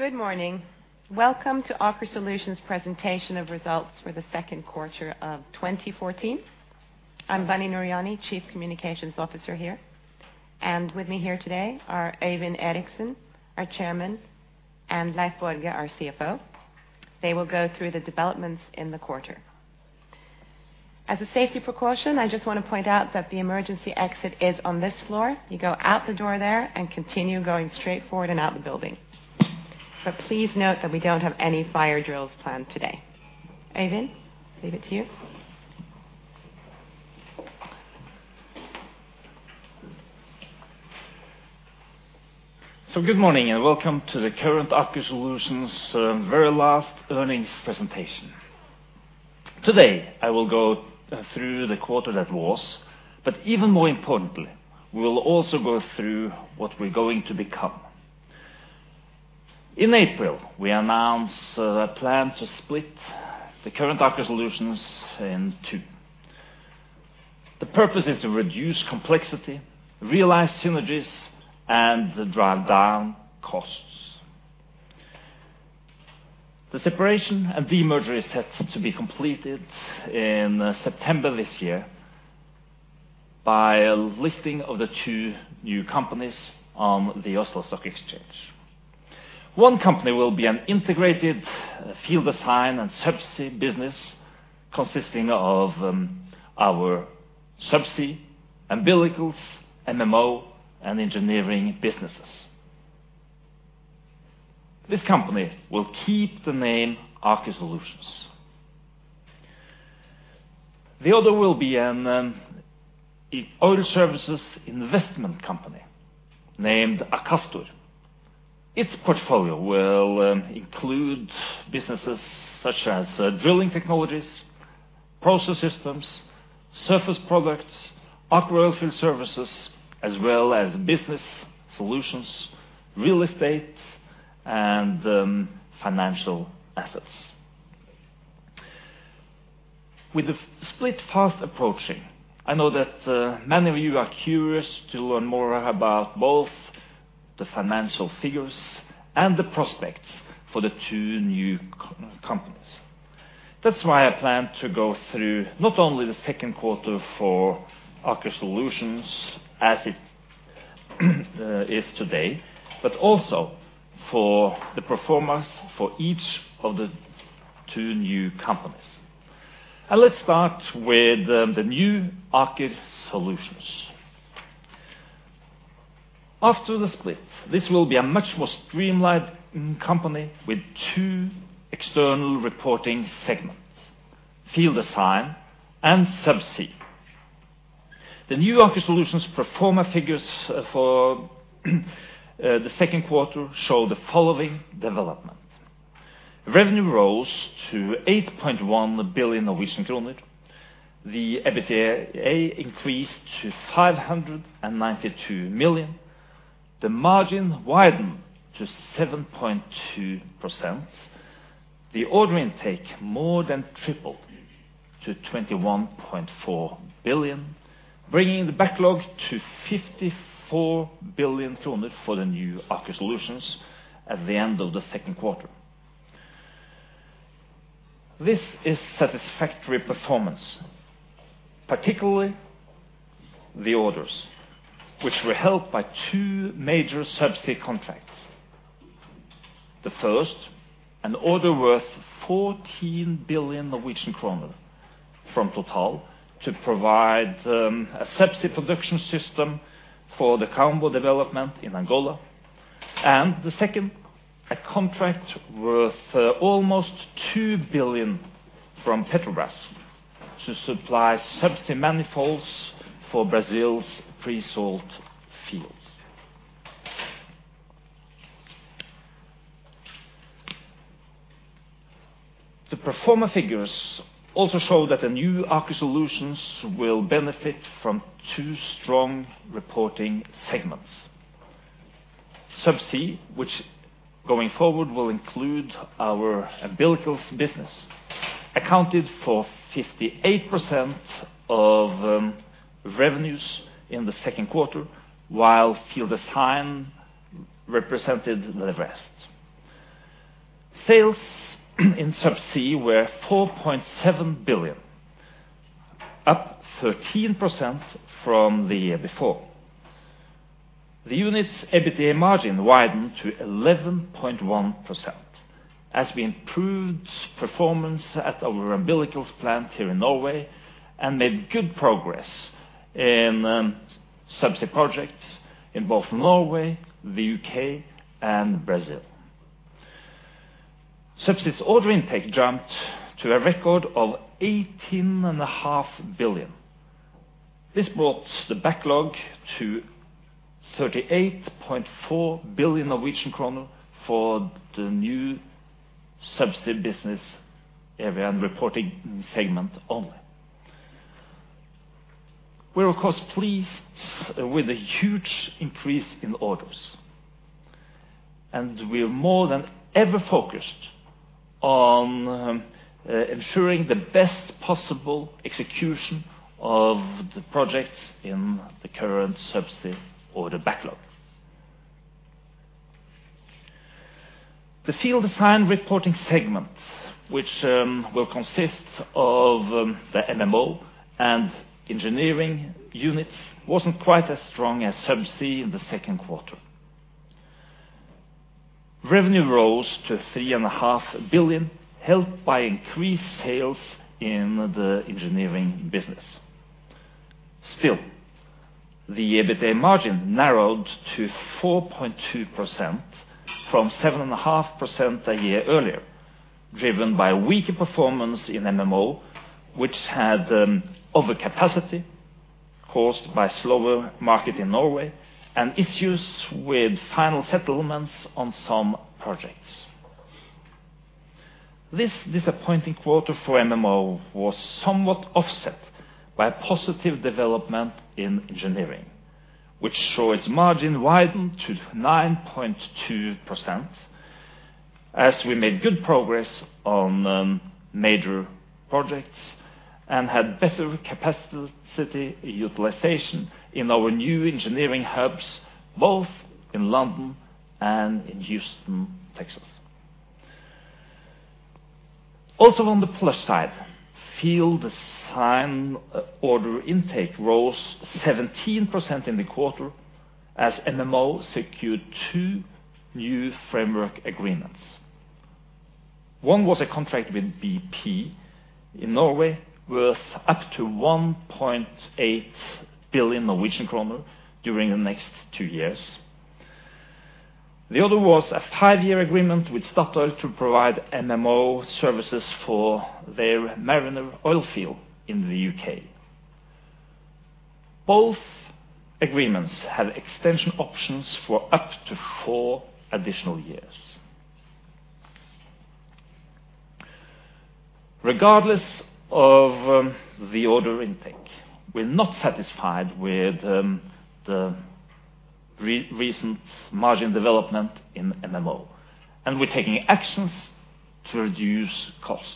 Good morning. Welcome to Aker Solutions presentation of results for the second quarter of 2014. I'm Bunny Nooryani, Chief Communications Officer here. With me here today are Øyvind Eriksen, our Chairman, and Leif Borge, our CFO. They will go through the developments in the quarter. As a safety precaution, I just wanna point out that the emergency exit is on this floor. You go out the door there and continue going straight forward and out the building. Please note that we don't have any fire drills planned today. Øyvind, leave it to you. Good morning, and welcome to the current Aker Solutions, very last earnings presentation. Today, I will go through the quarter that was, but even more importantly, we will also go through what we're going to become. In April, we announced a plan to split the current Aker Solutions in two. The purpose is to reduce complexity, realize synergies, and drive down costs. The separation and demerger is set to be completed in September this year by a listing of the two new companies on the Oslo Stock Exchange. One company will be an integrated field design and subsea business consisting of our subsea, umbilicals, MMO, and engineering businesses. This company will keep the name Aker Solutions. The other will be an e- oil services investment company named Akastor. Its portfolio will include businesses such as drilling technologies, Process Systems, surface products, Aker Oilfield Services, as well as business solutions, real estate, and financial assets. With the split fast approaching, I know that many of you are curious to learn more about both the financial figures and the prospects for the two new co-companies. That's why I plan to go through not only the second quarter for Aker Solutions as it is today, but also for the performance for each of the two new companies. Let's start with the new Aker Solutions. After the split, this will be a much more streamlined company with two external reporting segments, field design and subsea. The new Aker Solutions pro forma figures for the second quarter show the following development. Revenue rose to 8.1 billion Norwegian kroner. The EBITDA increased to 592 million. The margin widened to 7.2%. The order intake more than tripled to 21.4 billion, bringing the backlog to 54 billion kroner for the new Aker Solutions at the end of the second quarter. This is satisfactory performance, particularly the orders, which were helped by two major subsea contracts. The first, an order worth 14 billion Norwegian kroner from Total to provide a subsea production system for the Kaombo development in Angola. The second, a contract worth almost 2 billion from Petrobras to supply subsea manifolds for Brazil's pre-salt fields. The pro forma figures also show that the new Aker Solutions will benefit from two strong reporting segments. Subsea, which going forward will include our umbilicals business, accounted for 58% of revenues in the second quarter, while field design represented the rest. Sales in Subsea were 4.7 billion, up 13% from the year before. The unit's EBITDA margin widened to 11.1% as we improved performance sat our umbilicals plant here in Norway and made good progress in Subsea projects in both Norway, the UK, and Brazil. Subsea order intake jumped to a record of 18.5 billion. This brought the backlog to 38.4 billion Norwegian kroner for the new Subsea business area and reporting segment only. We're of course pleased with the huge increase in orders, we're more than ever focused on ensuring the best possible execution of the projects in the current Subsea order backlog. The field design reporting segment, which will consist of the MMO and engineering units, wasn't quite as strong as Subsea in the second quarter. Revenue rose to 3.5 billion, helped by increased sales in the engineering business. Still, the EBITDA margin narrowed to 4.2% from 7.5% a year earlier, driven by weaker performance in MMO, which had overcapacity caused by slower market in Norway and issues with final settlements on some projects. This disappointing quarter for MMO was somewhat offset by positive development in engineering, which saw its margin widen to 9.2% as we made good progress on major projects and had better capacity utilization in our new engineering hubs, both in London and in Houston, Texas. Also on the plus side, field design order intake rose 17% in the quarter as MMO secured two new framework agreements. One was a contract with BP in Norway worth up to 1.8 billion Norwegian kroner during the next two years. The other was a five-year agreement with Statoil to provide MMO services for their Mariner oil field in the UK. Both agreements have extension options for up to four additional years. Regardless of the order intake, we're not satisfied with the recent margin development in MMO, and we're taking actions to reduce costs.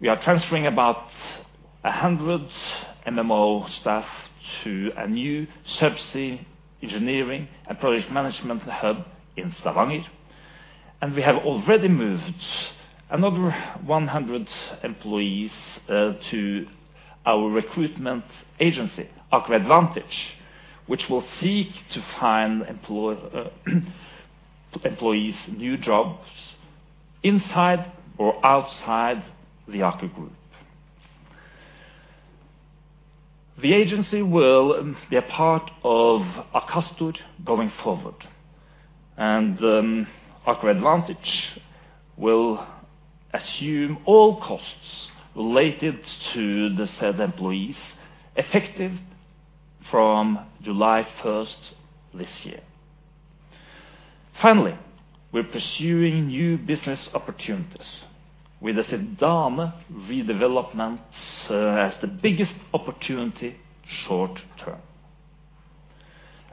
We are transferring about 100 MMO staff to a new subsea engineering and project management hub in Stavanger, and we have already moved another 100 employees to our recruitment agency, Aker Advantage, which will seek to find employees new jobs inside or outside the Aker group. The agency will be a part of Aker Solutions going forward, and Aker Advantage will assume all costs related to the said employees effective from July first this year. Finally, we're pursuing new business opportunities with the Sleipner redevelopment as the biggest opportunity short-term.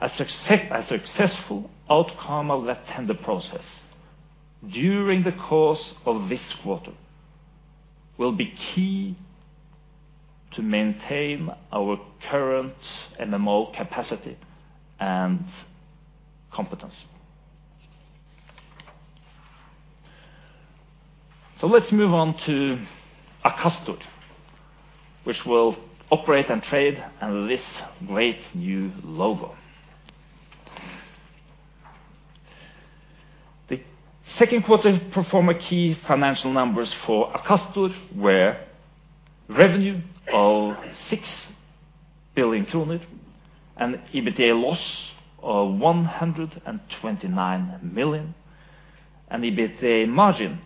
A successful outcome of that tender process during the course of this quarter will be key to maintain our current MMO capacity and competency. Let's move on to Aker Solutions, which will operate and trade under this great new logo. The second quarter performer key financial numbers for Aker Solutions were revenue of 6 billion kroner and EBITDA loss of 129 million, and EBITDA margin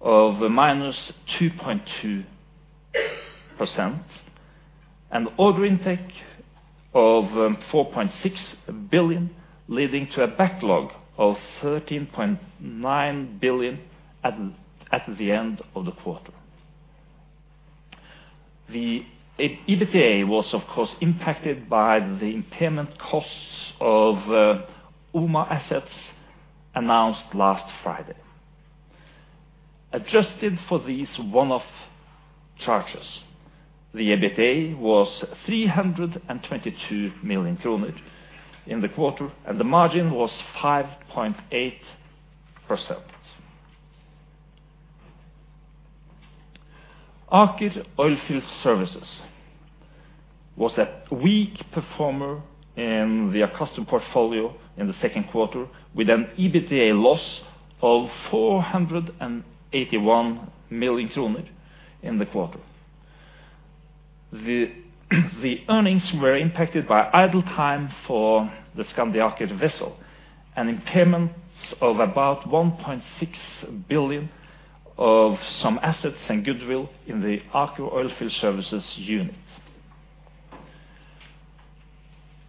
of -2.2%, and order intake of 4.6 billion, leading to a backlog of 13.9 billion at the end of the quarter. The EBITDA was of course impacted by the impairment costs of OMA assets announced last Friday. Adjusted for these one-off charges, the EBITDA was 322 million kroner in the quarter, and the margin was 5.8%. Aker Oilfield Services was a weak performer in the Aker Solutions portfolio in the second quarter with an EBITDA loss of 481 million kroner in the quarter. The earnings were impacted by idle time for the Skandi Aker vessel and impairments of about 1.6 billion of some assets and goodwill in the Aker Oilfield Services unit.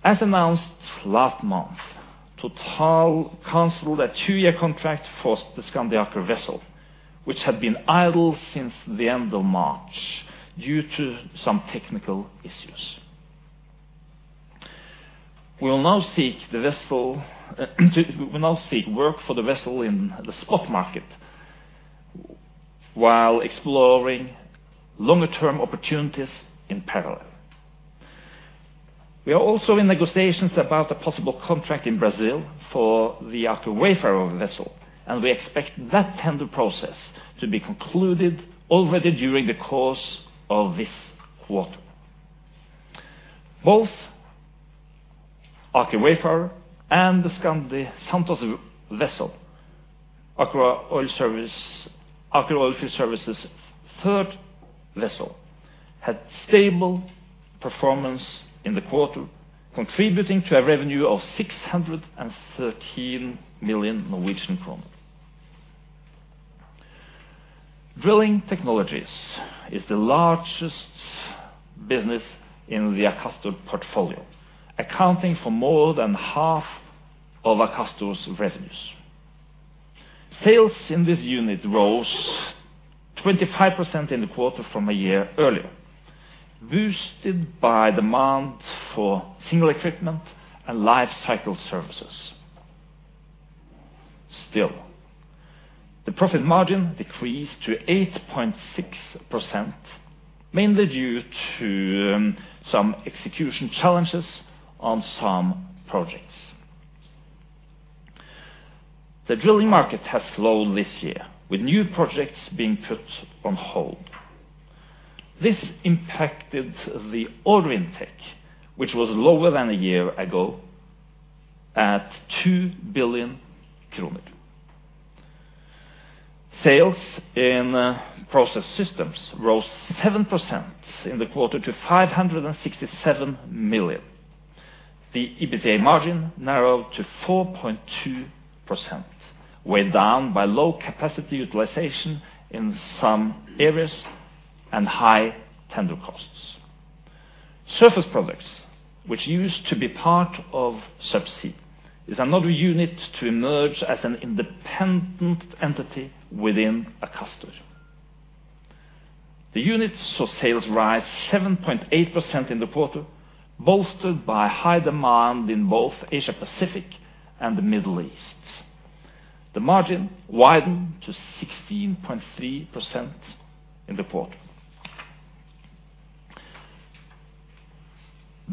As announced last month, Total canceled a two-year contract for the Skandi Aker vessel, which had been idle since the end of March due to some technical issues. We will now seek work for the vessel in the spot market while exploring longer-term opportunities in parallel. We are also in negotiations about a possible contract in Brazil for the Aker Wayfarer vessel, and we expect that tender process to be concluded already during the course of this quarter. Both Aker Wayfarer and the Skandi Santos vessel, Aker Oilfield Services' third vessel, had stable performance in the quarter, contributing to a revenue of 613 million Norwegian kroner. Drilling technologies is the largest business in the Akastor portfolio, accounting for more than half of Akastor's revenues. Sales in this unit rose 25% in the quarter from a year earlier, boosted by demand for single equipment and life cycle services. Still, the profit margin decreased to 8.6%, mainly due to some execution challenges on some projects. The drilling market has slowed this year, with new projects being put on hold. This impacted the order intake, which was lower than a year ago at NOK 2 billion. Sales in Process Systems rose 7% in the quarter to 567 million. The EBITDA margin narrowed to 4.2%, weighed down by low capacity utilization in some areas and high tender costs. Surface products, which used to be part of Subsea, is another unit to emerge as an independent entity within Akastor. The unit saw sales rise 7.8% in the quarter, bolstered by high demand in both Asia-Pacific and the Middle East. The margin widened to 16.3% in the quarter.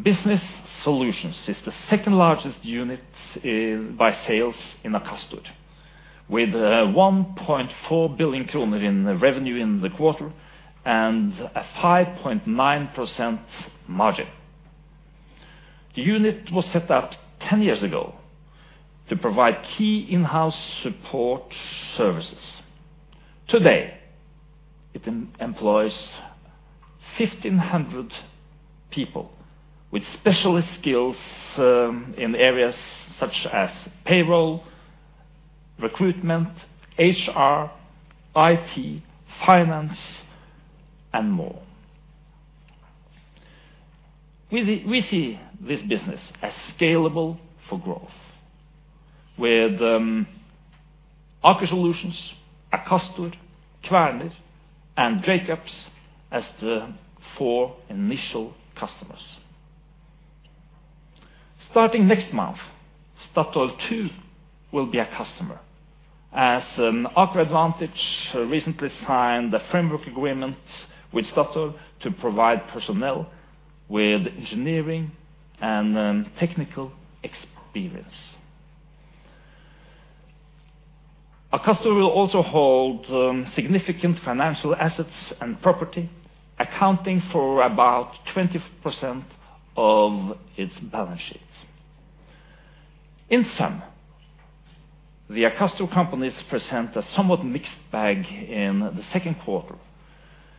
Business Solutions is the second-largest unit by sales in Akastor, with 1.4 billion kroner in revenue in the quarter and a 5.9% margin. The unit was set up 10 years ago to provide key in-house support services. Today, it employs 1,500 people with specialist skills in areas such as payroll, recruitment, HR, IT, finance, and more. We see this business as scalable for growth with Aker Solutions, Akastor, Kværner, and Dracops as the four initial customers. Starting next month, Statoil too will be a customer, as, Aker Advantage recently signed a framework agreement with Statoil to provide personnel with engineering and, technical experience. Akastor will also hold significant financial assets and property, accounting for about 20% of its balance sheets. In sum, the Akastor companies present a somewhat mixed bag in the second quarter,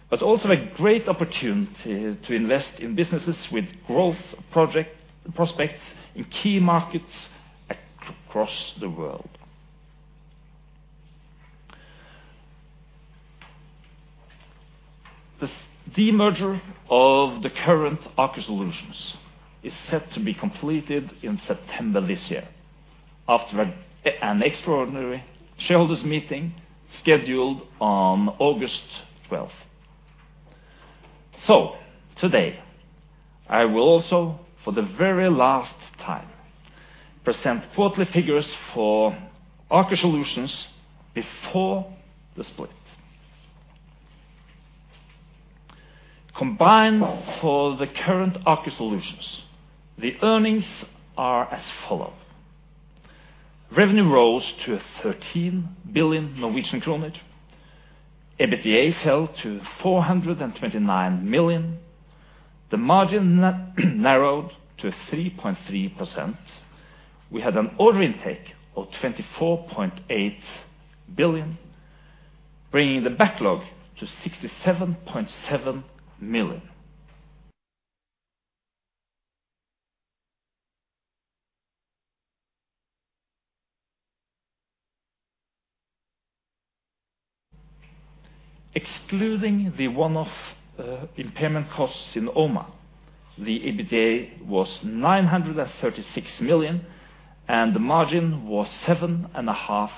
but also a great opportunity to invest in businesses with growth prospects in key markets across the world. The demerger of the current Aker Solutions is set to be completed in September this year after an extraordinary shareholders meeting scheduled on August 12th. Today I will also, for the very last time, present quarterly figures for Aker Solutions before the split. Combined for the current Aker Solutions, the earnings are as follow. Revenue rose to 13 billion Norwegian kroner. EBITDA fell to 429 million. The margin narrowed to 3.3%. We had an order intake of 24.8 billion, bringing the backlog to 67.7 million. Excluding the one-off impairment costs in OMA, the EBITDA was 936 million, and the margin was 7.5%.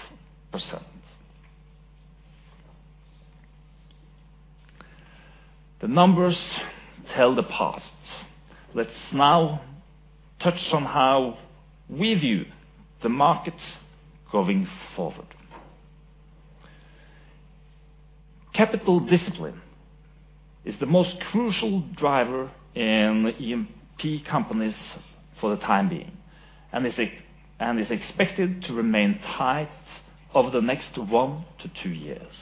The numbers tell the past. Let's now touch on how we view the market going forward. Capital discipline is the most crucial driver in E&P companies for the time being, and is expected to remain tight over the next one to two years,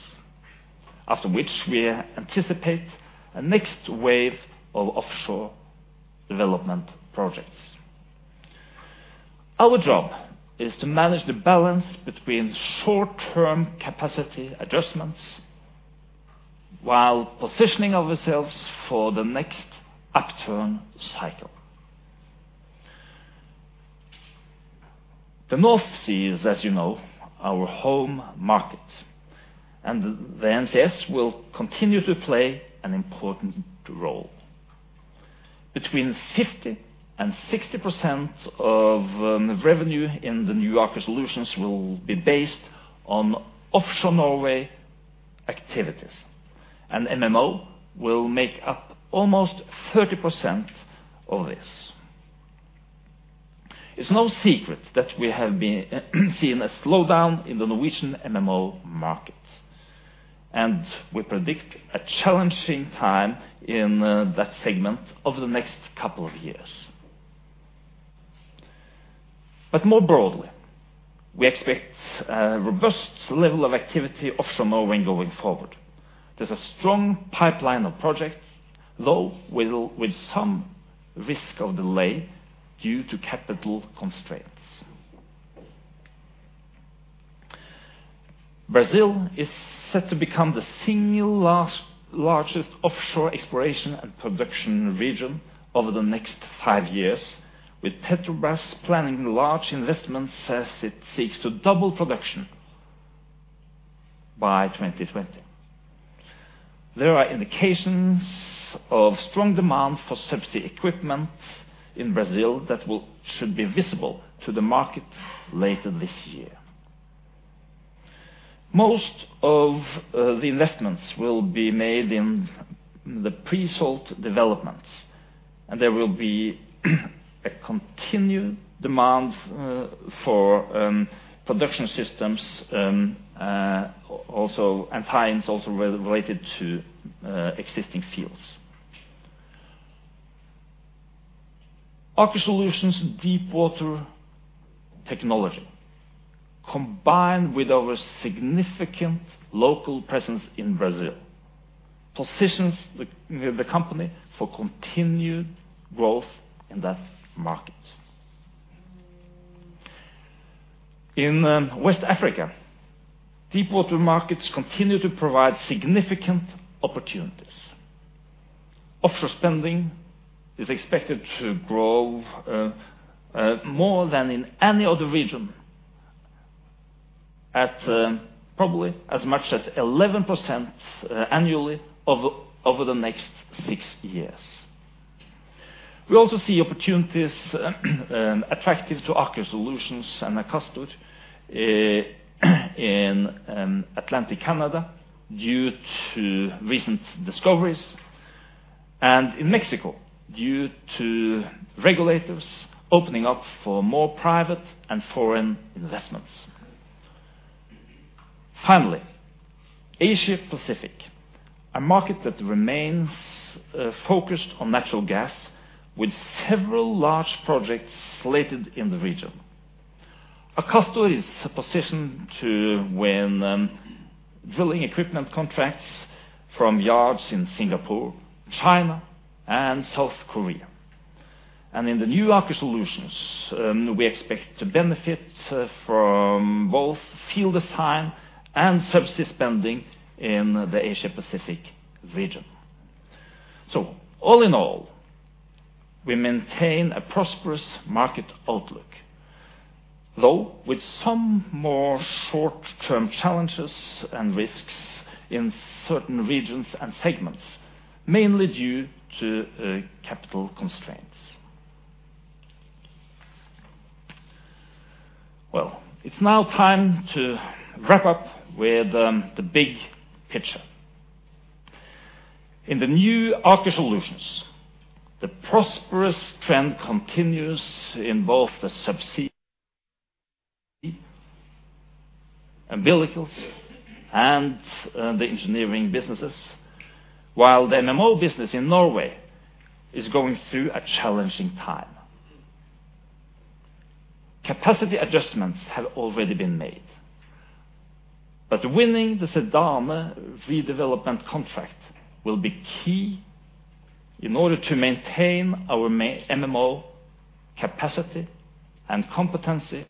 after which we anticipate a next wave of offshore development projects. Our job is to manage the balance between short-term capacity adjustments while positioning ourselves for the next upturn cycle. The North Sea is, as you know, our home market, and the NCS will continue to play an important role. Between 50% and 60% of the revenue in the new Aker Solutions will be based on offshore Norway activities, and MMO will make up almost 30% of this. It's no secret that we have been seeing a slowdown in the Norwegian MMO market, and we predict a challenging time in that segment over the next couple of years. More broadly, we expect a robust level of activity offshore Norway going forward. There's a strong pipeline of projects, though with some risk of delay due to capital constraints. Brazil is set to become the single largest offshore exploration and production region over the next five years, with Petrobras planning large investments as it seeks to double production by 2020. There are indications of strong demand for subsea equipment in Brazil that should be visible to the market later this year. Most of the investments will be made in the pre-salt developments, and there will be a continued demand for production systems and tie-ins also related to existing fields. Aker Solutions deepwater technology, combined with our significant local presence in Brazil, positions the company for continued growth in that market. In West Africa, deepwater markets continue to provide significant opportunities. Offshore spending is expected to grow more than in any other region at probably as much as 11% annually over the next 6 years. We also see opportunities attractive to Aker Solutions and Akastor in Atlantic Canada due to recent discoveries, and in Mexico due to regulators opening up for more private and foreign investments. Finally, Asia Pacific, a market that remains focused on natural gas with several large projects slated in the region. Akastor is positioned to win drilling equipment contracts from yards in Singapore, China, and South Korea. In the new Aker Solutions, we expect to benefit from both field design and subsea spending in the Asia Pacific region. All in all, we maintain a prosperous market outlook, though with some more short-term challenges and risks in certain regions and segments, mainly due to capital constraints. Well, it's now time to wrap up with the big picture. In the new Aker Solutions, the prosperous trend continues in both the subsea, umbilicals, and the engineering businesses, while the MMO business in Norway is going through a challenging time. Capacity adjustments have already been made. Winning the Zidane redevelopment contract will be key in order to maintain our MMO capacity and competency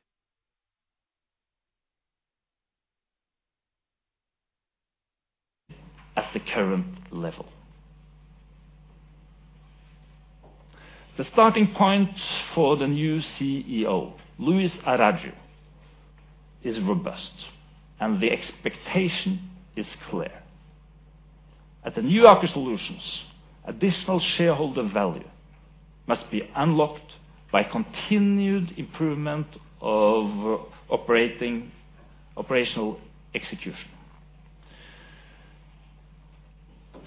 at the current level. The starting point for the new CEO, Luis Araujo, is robust. The expectation is clear. At the new Aker Solutions, additional shareholder value must be unlocked by continued improvement of operational execution.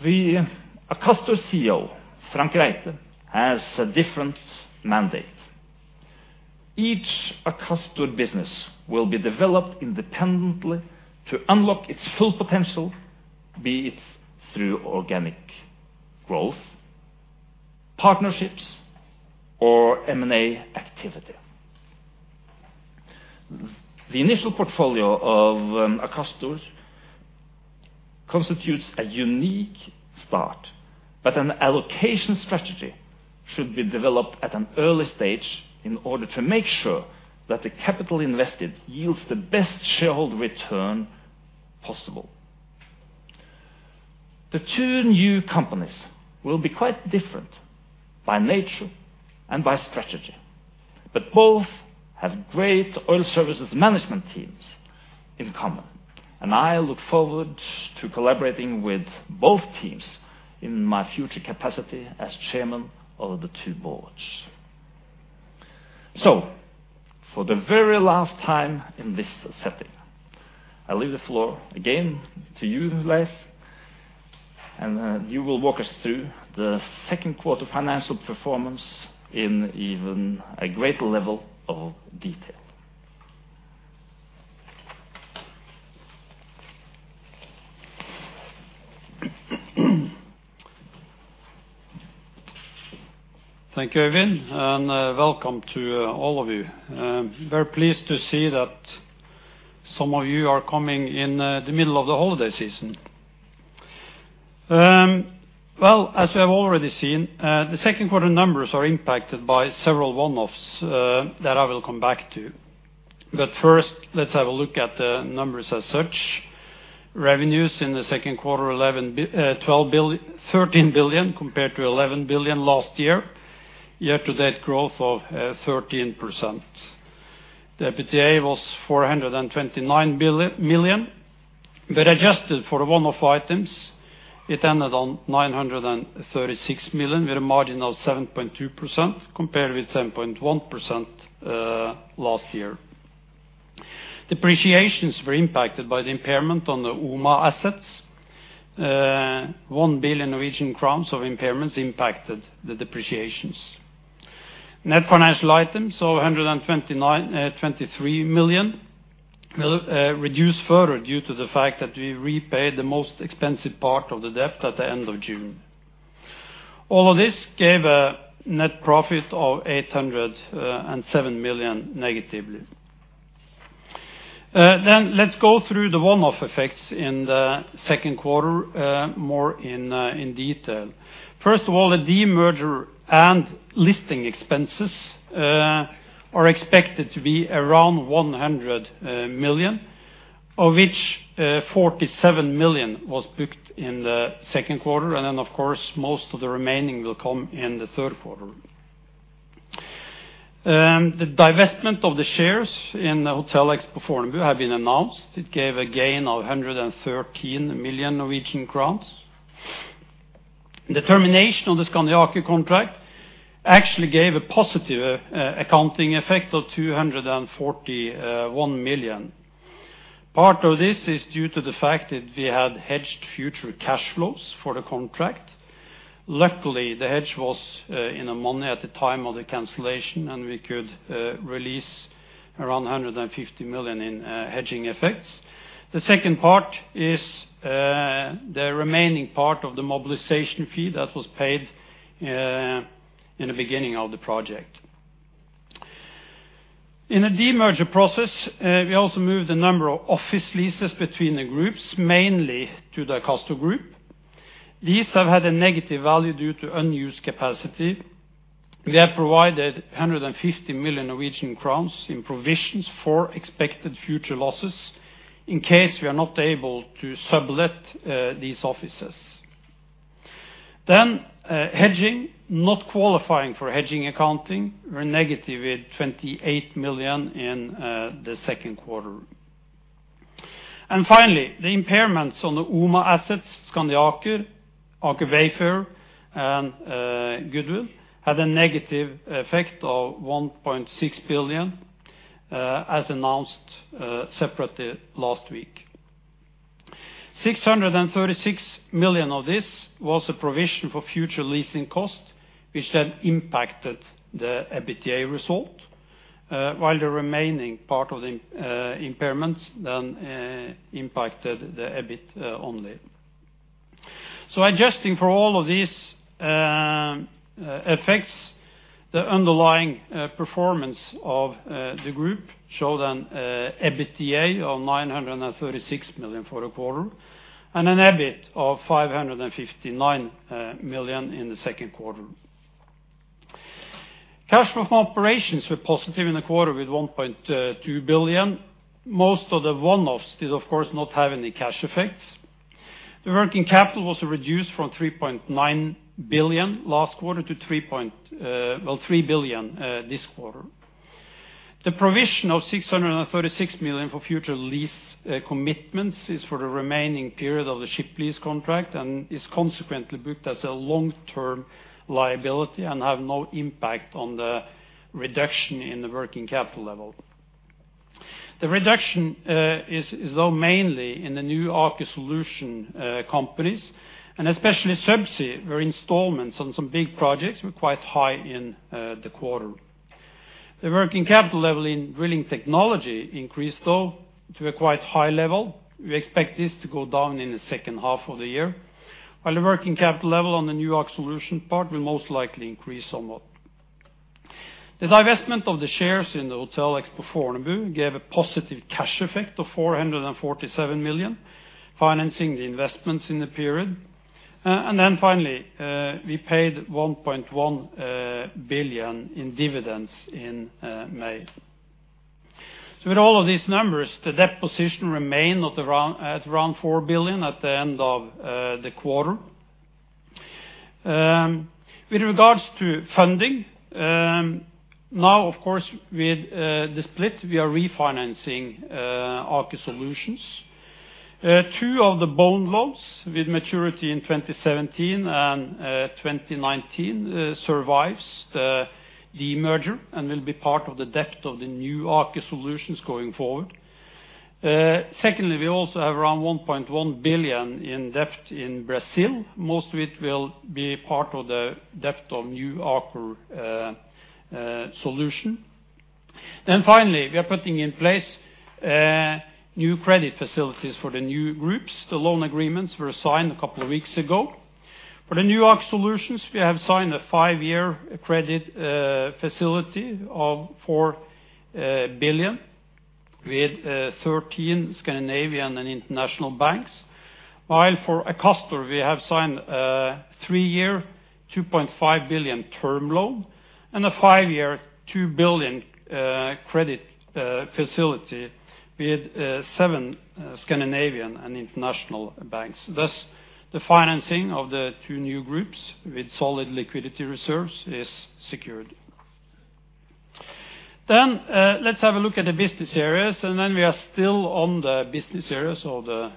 The Akastor CEO, Frank Reite, has a different mandate. Each Akastor business will be developed independently to unlock its full potential, be it through organic growth, partnerships, or M&A activity. The initial portfolio of Akastor constitutes a unique start. An allocation strategy should be developed at an early stage in order to make sure that the capital invested yields the best shareholder return possible. The two new companies will be quite different by nature and by strategy, but both have great oil services management teams in common, and I look forward to collaborating with both teams in my future capacity as chairman of the two boards. For the very last time in this setting, I leave the floor again to you, Leif, and you will walk us through the second quarter financial performance in even a greater level of detail. Thank you, Øyvind. Welcome to all of you. Very pleased to see that some of you are coming in the middle of the holiday season. Well, as we have already seen, the second quarter numbers are impacted by several one-offs that I will come back to. First, let's have a look at the numbers as such. Revenues in the second quarter 13 billion compared to 11 billion last year. Year-to-date growth of 13%. The EBITDA was 429 million, but adjusted for one-off items, it ended on 936 million, with a margin of 7.2% compared with 7.1% last year. Depreciations were impacted by the impairment on the OMA assets. 1 billion Norwegian crowns of impairments impacted the depreciations. Net financial items of 129, 23 million reduced further due to the fact that we repaid the most expensive part of the debt at the end of June. All of this gave a net profit of 807 million negatively. Let's go through the one-off effects in the second quarter more in detail. First of all, the demerger and listing expenses are expected to be around 100 million, of which 47 million was booked in the second quarter. Of course, most of the remaining will come in the third quarter. The divestment of the shares in the Hotel Expo Fornebu have been announced. It gave a gain of 113 million Norwegian crowns. The termination of the Skandi Aker contract actually gave a positive accounting effect of 241 million. Part of this is due to the fact that we had hedged future cash flows for the contract. Luckily, the hedge was in a money at the time of the cancellation, and we could release around 150 million in hedging effects. The second part is the remaining part of the mobilization fee that was paid in the beginning of the project. In the demerger process, we also moved a number of office leases between the groups, mainly to the Akastor group. These have had a negative value due to unused capacity. We have provided 150 million Norwegian crowns in provisions for expected future losses in case we are not able to sublet these offices. Hedging. Not qualifying for hedging accounting were negative at 28 million in the second quarter. Finally, the impairments on the OMA assets, Skandi Aker Wayfarer, and goodwill, had a negative effect of 1.6 billion, as announced separately last week. 636 million of this was a provision for future leasing costs which then impacted the EBITDA result, while the remaining part of the impairments then impacted the EBIT only. Adjusting for all of these effects, the underlying performance of the group showed an EBITDA of 936 million for the quarter and an EBIT of 559 million in the second quarter. Cash flow from operations were positive in the quarter with 1.2 billion. Most of the one-offs did, of course, not have any cash effects. The working capital was reduced from 3.9 billion last quarter to, well, 3 billion this quarter. The provision of 636 million for future lease commitments is for the remaining period of the ship lease contract and is consequently booked as a long-term liability and have no impact on the reduction in the working capital level. The reduction is though mainly in the new Aker Solutions companies, and especially Subsea where installments on some big projects were quite high in the quarter. The working capital level in Drilling Technology increased though to a quite high level. We expect this to go down in the second half of the year. While the working capital level on the new Aker Solutions part will most likely increase somewhat. The divestment of the shares in the Quality Hotel Expo gave a positive cash effect of 447 million, financing the investments in the period. Finally, we paid 1.1 billion in dividends in May. With all of these numbers, the debt position remained at around 4 billion at the end of the quarter. With regards to funding, now of course, with the split, we are refinancing Aker Solutions. Two of the bond loans with maturity in 2017 and 2019 survives the merger and will be part of the debt of the new Aker Solutions going forward. Secondly, we also have around 1.1 billion in debt in Brazil. Most of it will be part of the debt of new Aker Solutions. Finally, we are putting in place new credit facilities for the new groups. The loan agreements were signed a couple of weeks ago. For the new Aker Solutions, we have signed a 5-year credit facility of 4 billion with 13 Scandinavian and international banks. While for Akastor, we have signed a 3-year, 2.5 billion term loan and a 5-year, 2 billion credit facility with 7 Scandinavian and international banks. Thus, the financing of the two new groups with solid liquidity reserves is secured. Let's have a look at the business areas, and then we are still on the business areas of the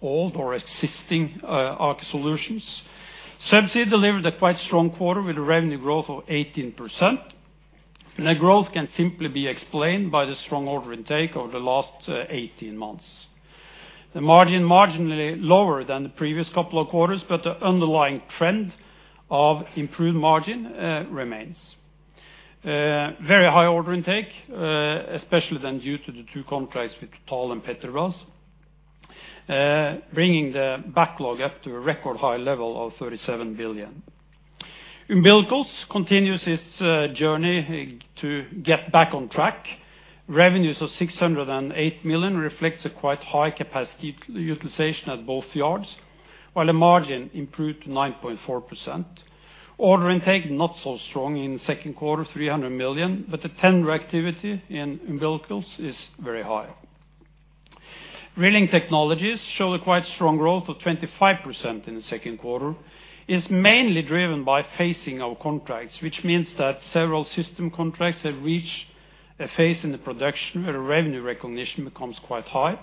old or existing Aker Solutions. Subsea delivered a quite strong quarter with a revenue growth of 18%. The growth can simply be explained by the strong order intake over the last 18 months. The margin marginally lower than the previous couple of quarters. The underlying trend of improved margin remains. Very high order intake, especially then due to the two contracts with Total and Petrobras, bringing the backlog up to a record high level of 37 billion. Umbilicals continues its journey to get back on track. Revenues of 608 million reflects a quite high capacity utilization at both yards, while the margin improved to 9.4%. Order intake not so strong in the second quarter, 300 million. The tender activity in Umbilicals is very high. Drilling Technologies show a quite strong growth of 25% in the second quarter. It's mainly driven by phasing our contracts, which means that several system contracts have reached a phase in the production where revenue recognition becomes quite high.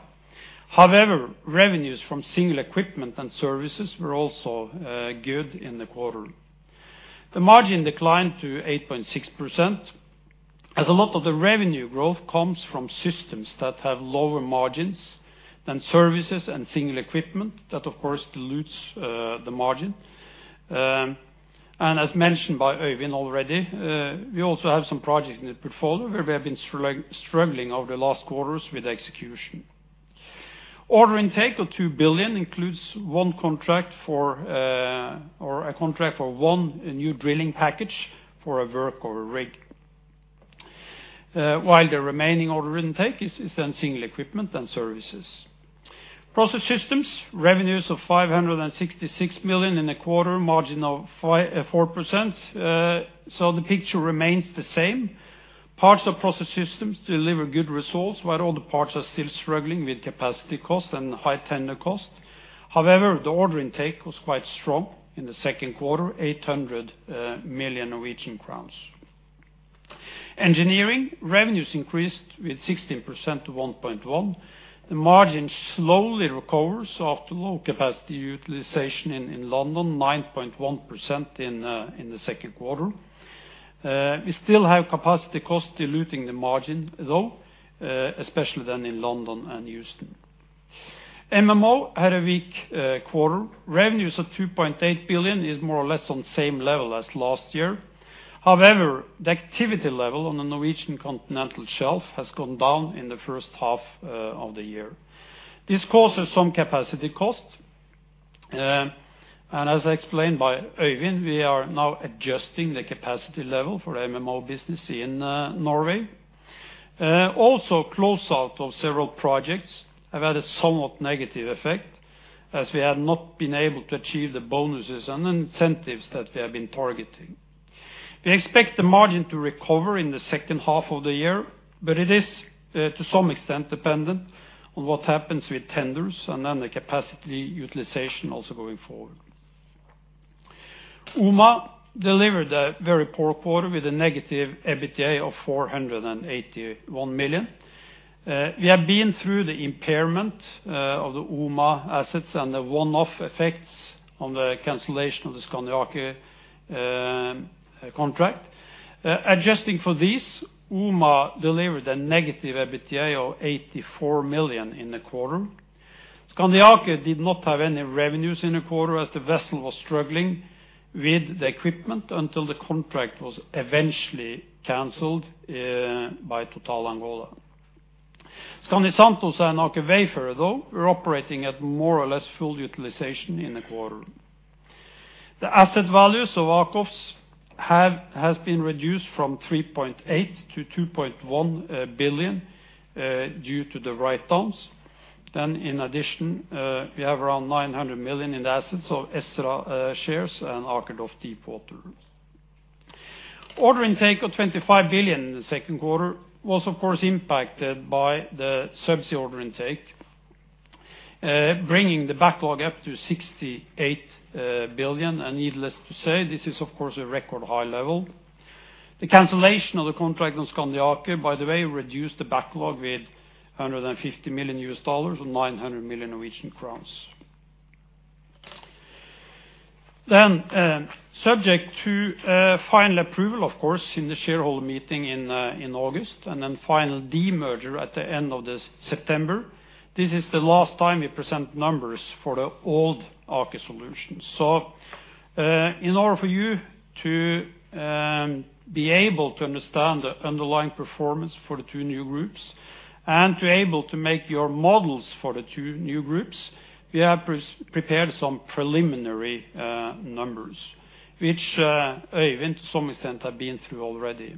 Revenues from single equipment and services were also good in the quarter. The margin declined to 8.6%, as a lot of the revenue growth comes from systems that have lower margins than services and single equipment. That of course dilutes the margin. As mentioned by Øyvind already, we also have some projects in the portfolio where we have been struggling over the last quarters with execution. Order intake of 2 billion includes 1 contract for, or a contract for 1 new drilling package for a work or a rig. While the remaining order intake is single equipment and services. Process Systems, revenues of 566 million in the quarter, margin of 4%. The picture remains the same. Parts of Process Systems deliver good results, while other parts are still struggling with capacity costs and high tender costs. The order intake was quite strong in the second quarter, 800 million Norwegian crowns. Engineering revenues increased with 16% to 1.1 billion. The margin slowly recovers after low capacity utilization in London, 9.1% in the second quarter. We still have capacity costs diluting the margin though, especially then in London and Houston. MMO had a weak quarter. Revenues of 2.8 billion is more or less on same level as last year. The activity level on the Norwegian continental shelf has gone down in the first half of the year. This causes some capacity costs. As explained by Øyvind, we are now adjusting the capacity level for the MMO business in Norway. Also, close out of several projects have had a somewhat negative effect as we have not been able to achieve the bonuses and incentives that we have been targeting. We expect the margin to recover in the second half of the year, but it is to some extent dependent on what happens with tenders and then the capacity utilization also going forward. OMA delivered a very poor quarter with a negative EBITDA of 481 million. We have been through the impairment of the OMA assets and the one-off effects on the cancellation of the Skandi Aker contract. Adjusting for this, OMA delivered a negative EBITDA of 84 million in the quarter. Skandi Aker did not have any revenues in the quarter as the vessel was struggling with the equipment until the contract was eventually canceled by Total Angola. Skandi Santos and Aker Wayfarer, though, were operating at more or less full utilization in the quarter. The asset values of Akers has been reduced from 3.8 billion to 2.1 billion due to the write-downs. In addition, we have around 900 million in assets of Ezra shares and Aker DOF Deepwater. Order intake of 25 billion in the second quarter was of course impacted by the Subsea order intake, bringing the backlog up to 68 billion. Needless to say, this is of course a record high level. The cancellation of the contract on Skandi Aker, by the way, reduced the backlog with $150 million or NOK 900 million. Subject to final approval, of course, in the shareholder meeting in August, and then final demerger at the end of this September, this is the last time we present numbers for the old Aker Solutions. In order for you to be able to understand the underlying performance for the two new groups and to be able to make your models for the two new groups, we have prepared some preliminary numbers, which even to some extent have been through already.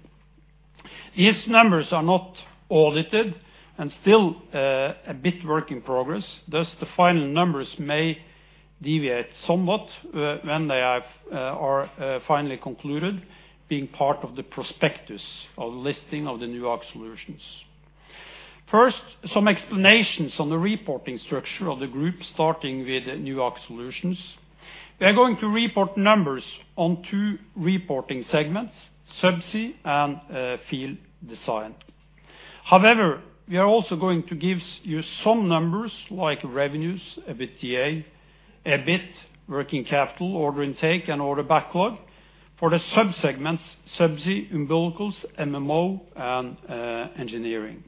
These numbers are not audited and still a bit work in progress. Thus, the final numbers may deviate somewhat when they have are finally concluded, being part of the prospectus of the listing of the new Aker Solutions. First, some explanations on the reporting structure of the group, starting with new Aker Solutions. We are going to report numbers on two reporting segments, Subsea and Field Design. However, we are also going to give you some numbers like revenues, EBITDA, EBIT, working capital, order intake, and order backlog for the subsegments, Subsea, Umbilicals, MMO, and Engineering.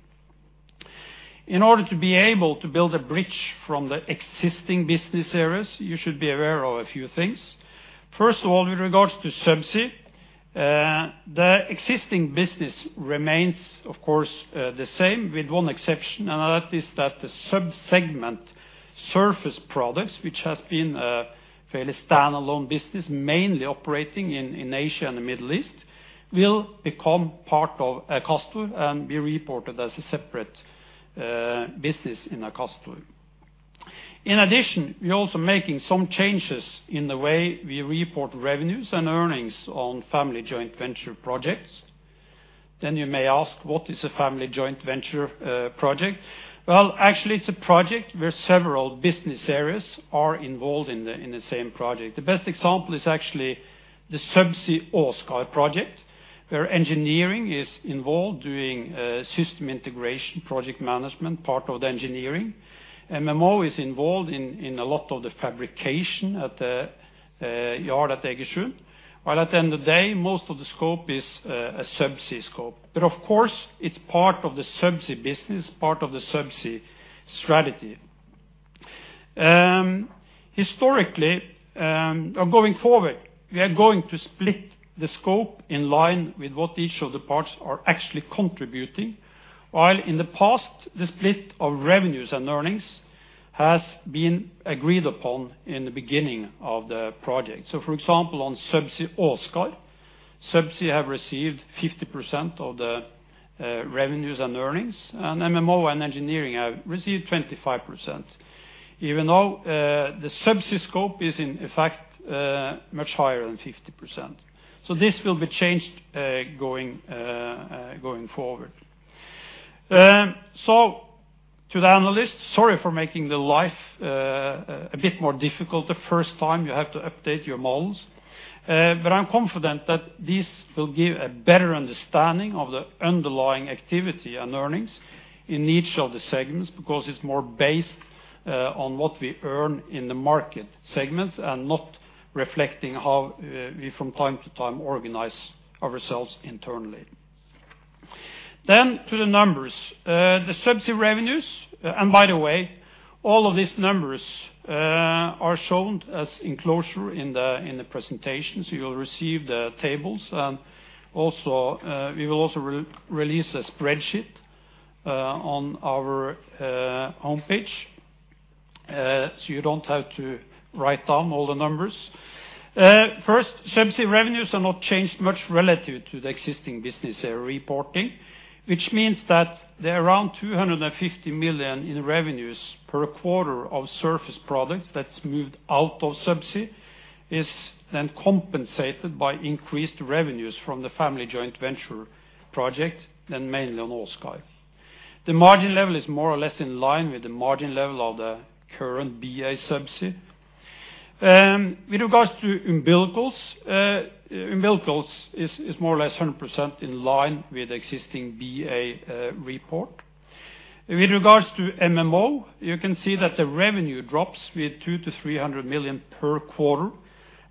In order to be able to build a bridge from the existing business areas, you should be aware of a few things. First of all, with regards to Subsea, the existing business remains, of course, the same with one exception, and that is that the subsegment Surface Products, which has been a fairly standalone business, mainly operating in Asia and the Middle East, will become part of Akastor and be reported as a separate business in Akastor. In addition, we're also making some changes in the way we report revenues and earnings on family joint venture projects. You may ask, what is a family joint venture project? Well, actually, it's a project where several business areas are involved in the same project. The best example is actually the Subsea Åsgard project, where engineering is involved doing system integration, project management, part of the engineering. MMO is involved in a lot of the fabrication at the yard at Egersund, while at the end of the day, most of the scope is a subsea scope. Of course, it's part of the Subsea business, part of the Subsea strategy. Historically, or going forward, we are going to split the scope in line with what each of the parts are actually contributing, while in the past, the split of revenues and earnings has been agreed upon in the beginning of the project. For example, on Subsea Åsgard, Subsea have received 50% of the revenues and earnings, and MMO and engineering have received 25%, even though the subsea scope is in fact much higher than 50%. This will be changed going forward. To the analysts, sorry for making the life a bit more difficult the first time you have to update your models. I'm confident that this will give a better understanding of the underlying activity and earnings in each of the segments, because it's more based on what we earn in the market segments and not reflecting how we from time to time organize ourselves internally. To the numbers. The Subsea revenues, and by the way, all of these numbers are shown as enclosure in the presentation. You will receive the tables and also, we will also re-release a spreadsheet on our homepage, so you don't have to write down all the numbers. First, Subsea revenues are not changed much relative to the existing business reporting, which means that the around 250 million in revenues per quarter of surface products that's moved out of Subsea is then compensated by increased revenues from the family joint venture project and mainly on Åsgard. The margin level is more or less in line with the margin level of the current BA Subsea. With regards to umbilicals is more or less 100% in line with existing BA report. With regards to MMO, you can see that the revenue drops with 200 million-300 million per quarter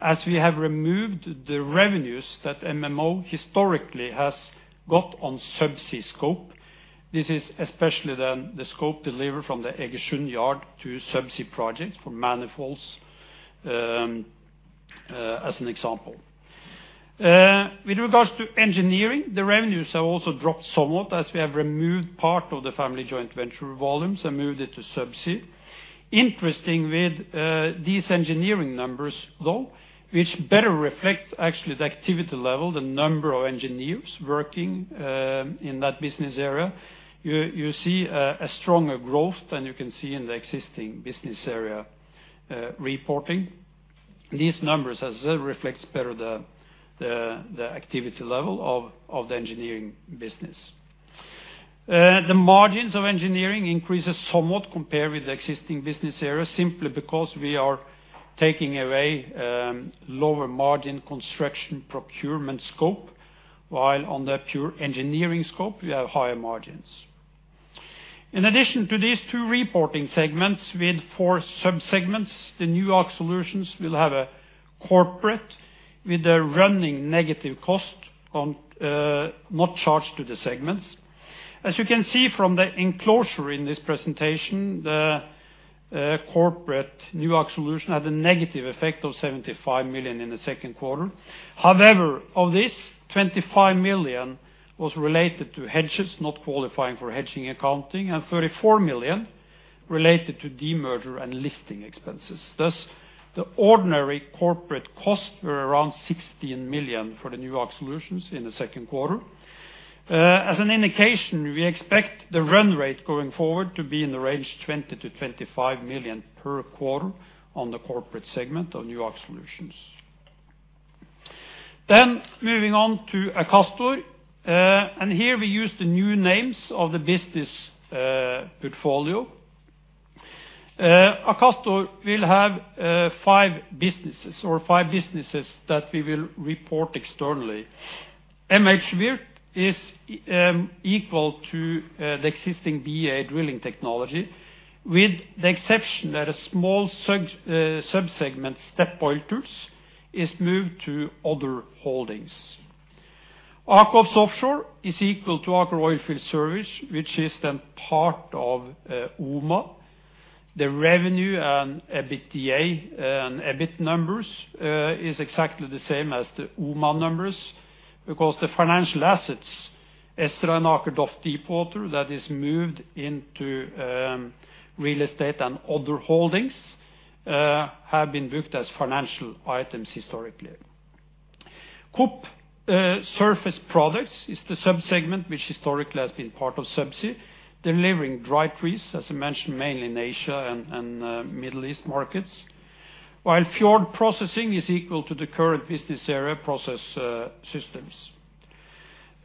as we have removed the revenues that MMO historically has got on subsea scope. This is especially the scope delivered from the Egersund yard to subsea projects for manifolds as an example. With regards to engineering, the revenues have also dropped somewhat as we have removed part of the family joint venture volumes and moved it to subsea. Interesting with these engineering numbers though, which better reflects actually the activity level, the number of engineers working in that business area. You see a stronger growth than you can see in the existing business area reporting. These numbers as well reflects better the activity level of the engineering business. The margins of engineering increases somewhat compared with the existing business area, simply because we are taking away lower margin construction procurement scope, while on the pure engineering scope, we have higher margins. In addition to these two reporting segments with four subsegments, the new Aker Solutions will have a corporate with a running negative cost not charged to the segments. As you can see from the enclosure in this presentation, the corporate new Aker Solutions had a negative effect of 75 million in the second quarter. Of this, 25 million was related to hedges not qualifying for hedging accounting, and 34 million related to demerger and listing expenses. The ordinary corporate costs were around 16 million for the new Aker Solutions in the second quarter. As an indication, we expect the run rate going forward to be in the range 20 million-25 million per quarter on the corporate segment of new Aker Solutions. Moving on to Akastor, and here we use the new names of the business portfolio. Akastor will have five businesses or five businesses that we will report externally. MHWirth is equal to the existing BA Drilling Technology, with the exception that a small subsegment, Step Oiltools, is moved to other holdings. AKOFS Offshore is equal to Aker Oilfield Services, which is then part of OMA. The revenue and EBITDA and EBIT numbers is exactly the same as the OMA numbers. Because the financial assets, Ezra and Aker DOF Deepwater, that is moved into real estate and other holdings, have been booked as financial items historically. KOP Surface Products is the subsegment which historically has been part of Subsea, delivering dry trees, as I mentioned, mainly in Asia and Middle East markets. While Fjord Processing is equal to the current business area Process Systems.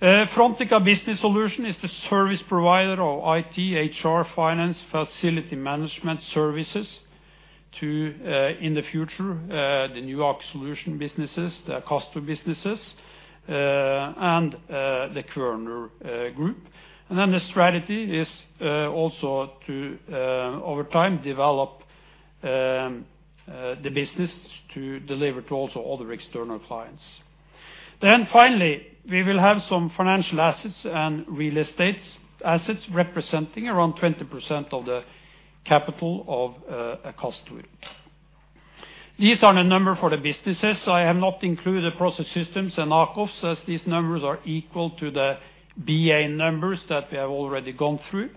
Frontica Business Solutions is the service provider of IT, HR, finance, facility management services to, in the future, the new Aker Solutions businesses, the Akastor businesses, and the Kværner group. The strategy is also to over time develop the business to deliver to also other external clients. Finally, we will have some financial assets and real estates, assets representing around 20% of the capital of Akastor. These are the number for the businesses. I have not included Process Systems in Akoffs as these numbers are equal to the BA numbers that we have already gone through.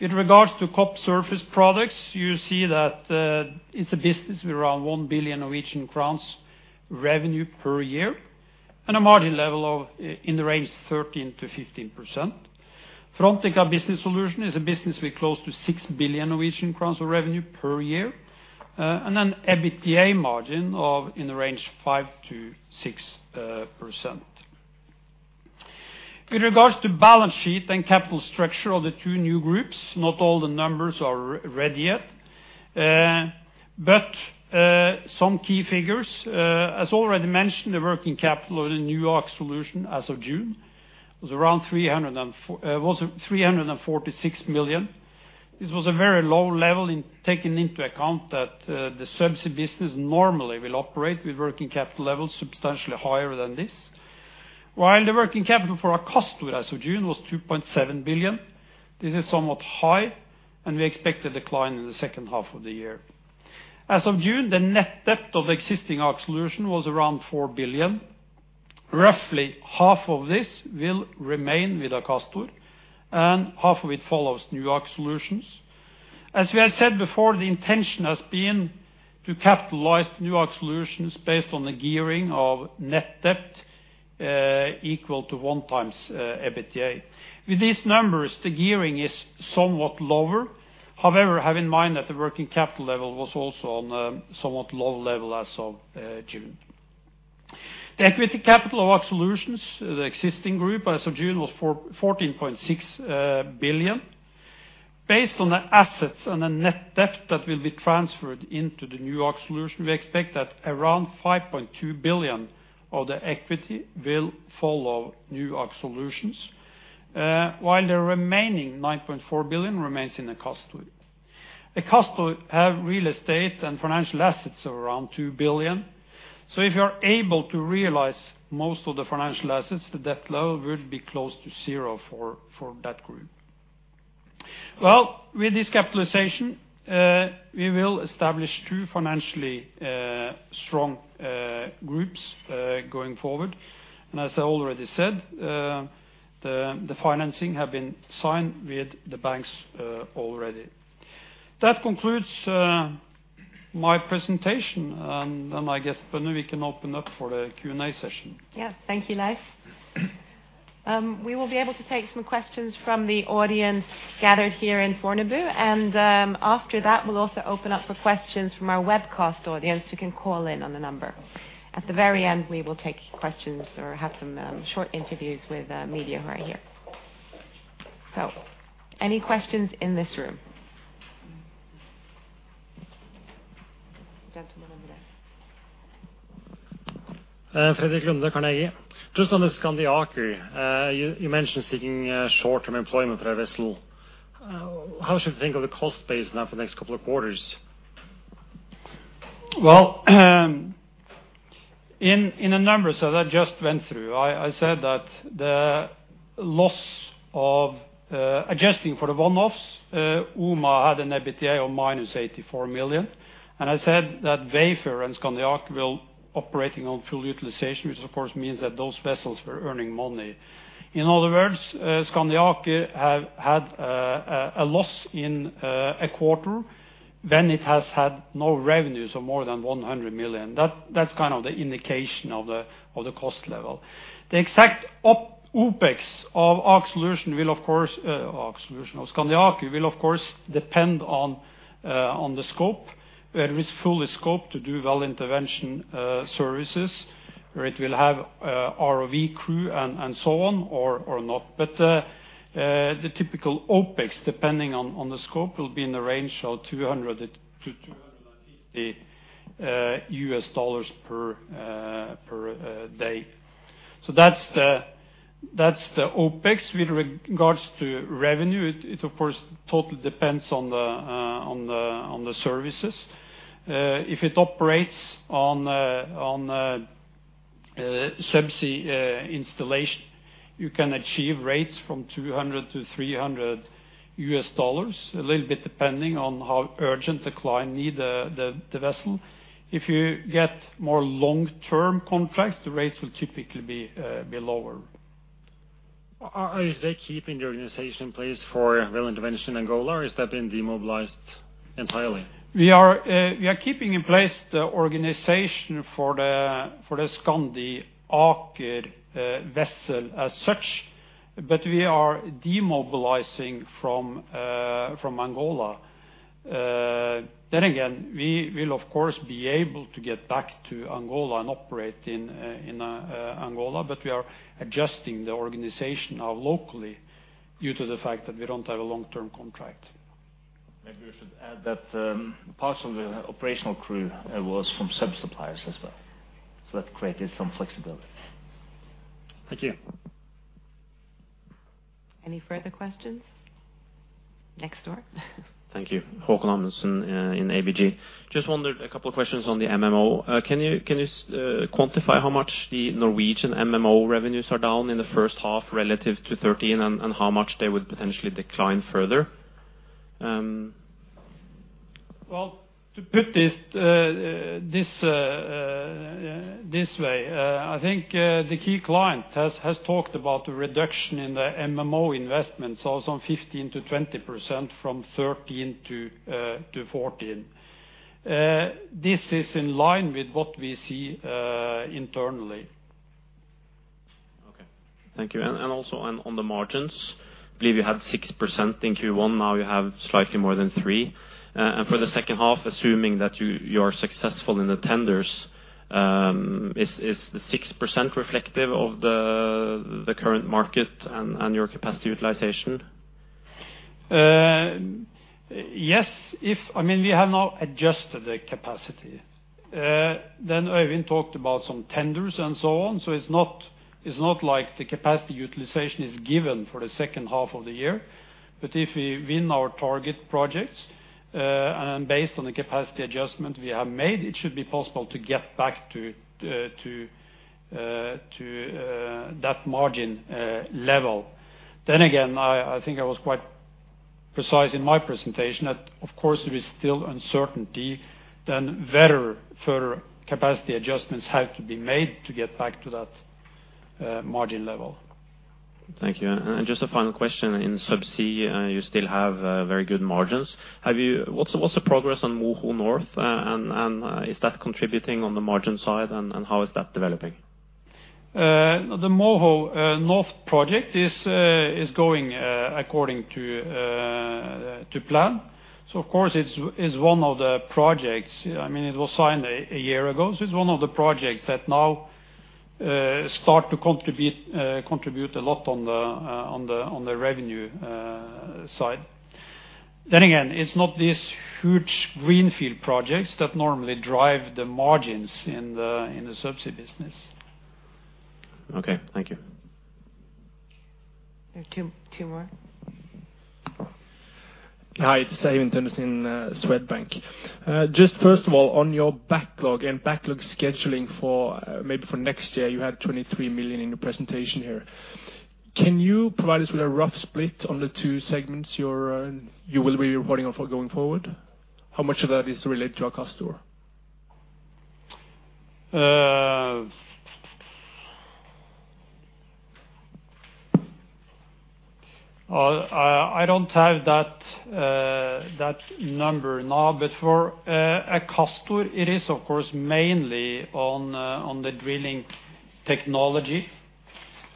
In regards to Coop Surface Products, you see that it's a business with around 1 billion Norwegian crowns revenue per year and a margin level of, in the range 13%-15%. Frontica Business Solutions is a business with close to 6 billion Norwegian crowns of revenue per year, and an EBITDA margin of in the range 5%-6%. With regards to balance sheet and capital structure of the two new groups, not all the numbers are ready yet. Some key figures, as already mentioned, the working capital of the new Aker Solutions as of June was around 346 million. This was a very low level in taking into account that the Subsea business normally will operate with working capital levels substantially higher than this. While the working capital for Akastor as of June was 2.7 billion. This is somewhat high, and we expect a decline in the second half of the year. As of June, the net debt of existing Aker Solutions was around 4 billion. Roughly half of this will remain with Akastor, and half of it follows new Aker Solutions. As we have said before, the intention has been to capitalize new Aker Solutions based on the gearing of net debt equal to 1 times EBITDA. With these numbers, the gearing is somewhat lower. However, have in mind that the working capital level was also on a somewhat lower level as of June. The equity capital of Aker Solutions, the existing group as of June was 14.6 billion. Based on the assets and the net debt that will be transferred into the new Aker Solutions, we expect that around 5.2 billion of the equity will follow new Aker Solutions, while the remaining 9.4 billion remains in Aker Solutions. Aker Solutions have real estate and financial assets of around 2 billion. If you are able to realize most of the financial assets, the debt level will be close to zero for that group. With this capitalization, we will establish two financially strong groups going forward. As I already said, the financing have been signed with the banks already. That concludes my presentation. I guess, Pernille, we can open up for the Q&A session. Thank you, Leif. We will be able to take some questions from the audience gathered here in Fornebu. After that, we'll also open up for questions from our webcast audience who can call in on the number. At the very end, we will take questions or have some short interviews with media who are here. Any questions in this room? Gentlemen over there. Fredrik Lunde, Carnegie. Just on the Skandi Aker, you mentioned seeking, short-term employment for a vessel. How should we think of the cost base now for the next couple of quarters? Well, in the numbers that I just went through, I said that the loss of adjusting for the one-offs, OMA had an EBITDA of minus 84 million, and I said that Wafer and Skandi Aker will operating on full utilization, which of course means that those vessels were earning money. In other words, Skandi Aker have had a loss in a quarter when it has had no revenues of more than 100 million. That's kind of the indication of the cost level. The exact OPEX of Aker Solutions will of course, Aker Solutions or Skandi Aker will of course depend on the scope, whether it's fully scoped to do well intervention services or it will have ROV crew and so on or not. The typical OPEX, depending on the scope, will be in the range of $200-$250 per day. That's the OPEX. With regards to revenue, it of course totally depends on the services. If it operates on subsea installation, you can achieve rates from $200-$300, a little bit depending on how urgent the client need the vessel. If you get more long-term contracts, the rates will typically be lower. Are, is they keeping the organization in place for well intervention in Angola, or has that been demobilized entirely? We are keeping in place the organization for the Skandi Aker vessel as such, but we are demobilizing from Angola. Then again, we will of course be able to get back to Angola and operate in Angola, but we are adjusting the organization now locally due to the fact that we don't have a long-term contract. Maybe we should add that, parts of the operational crew was from sub-suppliers as well, so that created some flexibility. Thank you. Any further questions? Next door. Thank you. Håkon Amundsen in ABG. Just wondered a couple of questions on the MMO. Can you quantify how much the Norwegian MMO revenues are down in the first half relative to 13 and how much they would potentially decline further? To put this, this way, I think, the key client has talked about a reduction in the MMO investments, also 15%-20% from 13 to 14. This is in line with what we see internally. Okay. Thank you. Also on the margins, believe you had 6% in Q1, now you have slightly more than 3%. For the second half, assuming that you are successful in the tenders, is the 6% reflective of the current market and your capacity utilization? Yes. I mean, we have now adjusted the capacity. Øyvind talked about some tenders and so on. It's not, it's not like the capacity utilization is given for the second half of the year. If we win our target projects, and based on the capacity adjustment we have made, it should be possible to get back to that margin level. Again, I think I was quite precise in my presentation that, of course, there is still uncertainty then whether further capacity adjustments have to be made to get back to that margin level. Thank you. Just a final question. In subsea, you still have very good margins. What's the progress on Moho Nord? Is that contributing on the margin side? How is that developing? The Moho Nord project is going according to plan. Of course, it's one of the projects. It was signed a year ago, so it's one of the projects that now start to contribute a lot on the revenue side. Again, it's not these huge greenfield projects that normally drive the margins in the subsea business. Okay, thank you. There are two more. Hi, it's Teimur Tana in Swedbank. Just first of all, on your backlog and backlog scheduling for maybe for next year, you had 23 million in your presentation here. Can you provide us with a rough split on the two segments you will be reporting on for going forward? How much of that is related to Akastor? Well, I don't have that number now. For Akastor, it is of course mainly on the drilling technology,